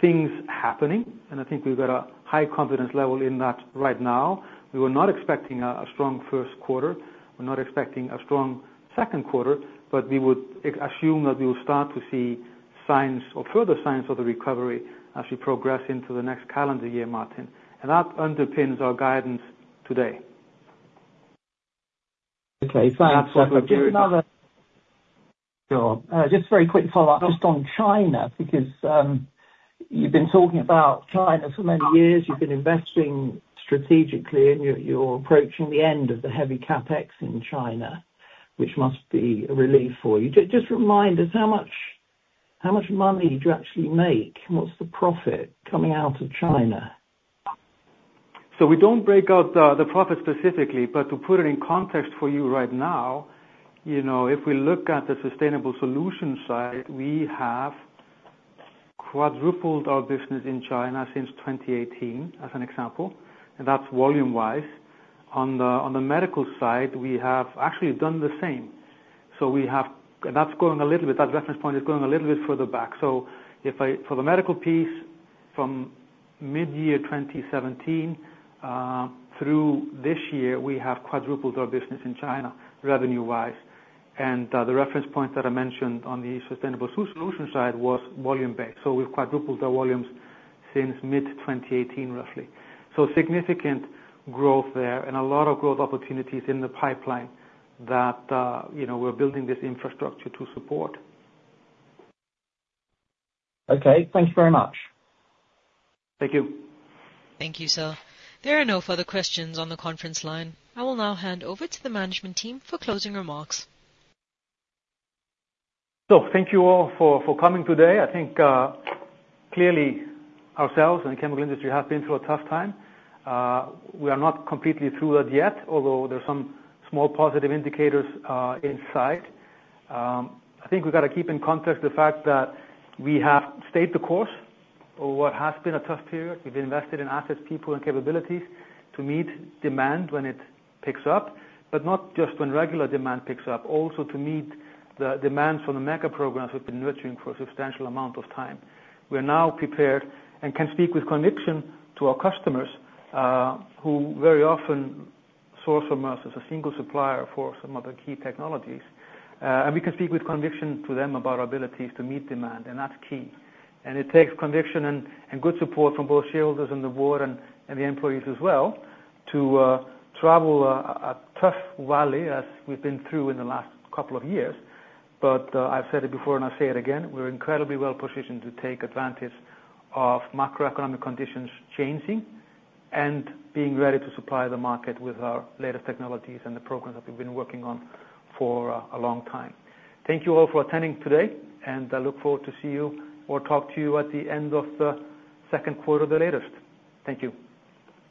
S2: things happening and I think we've got a high confidence level in that right now. We were not expecting a strong first quarter. We're not expecting a strong second quarter, but we would assume that we will start to see signs or further signs of the recovery as we progress into the next calendar year, Martin, and that underpins our guidance today.
S9: Okay, thanks.
S2: Absolutely.
S9: Just another. Just a very quick follow-up just on China, because you've been talking about China for many years. You've been investing strategically, and you're approaching the end of the heavy CapEx in China, which must be a relief for you. Just remind us, how much money do you actually make? What's the profit coming out of China?
S2: So we don't break out the profit specifically, but to put it in context for you right now, you know, if we look at the Sustainable Solution side, we have quadrupled our business in China since 2018, as an example, and that's volume-wise. On the medical side, we have actually done the same. So we have, that's going a little bit, that reference point is going a little bit further back. So for the medical piece, from mid-year 2017 through this year, we have quadrupled our business in China, revenue-wise. And the reference point that I mentioned on the sustainable solution side was volume-based. So we've quadrupled our volumes since mid-2018, roughly. So significant growth there and a lot of growth opportunities in the pipeline that, you know, we're building this infrastructure to support.
S9: Okay, thank you very much.
S2: Thank you. Thank you, sir. There are no further questions on the conference line. I will now hand over to the management team for closing remarks. So thank you all for, for coming today. I think, clearly, ourselves and the chemical industry have been through a tough time. We are not completely through it yet, although there's some small positive indicators in sight. I think we've got to keep in context the fact that we have stayed the course over what has been a tough period. We've invested in assets, people, and capabilities to meet demand when it picks up, but not just when regular demand picks up, also to meet the demands from the mega programs we've been nurturing for a substantial amount of time. We're now prepared and can speak with conviction to our customers, who very often source from us as a single supplier for some of the key technologies. And we can speak with conviction to them about our ability to meet demand, and that's key. It takes conviction and good support from both shareholders and the board and the employees as well, to travel a tough valley, as we've been through in the last couple of years. But, I've said it before, and I'll say it again, we're incredibly well positioned to take advantage of macroeconomic conditions changing, and being ready to supply the market with our latest technologies and the programs that we've been working on for a long time. Thank you all for attending today, and I look forward to see you or talk to you at the end of the second quarter the latest. Thank you.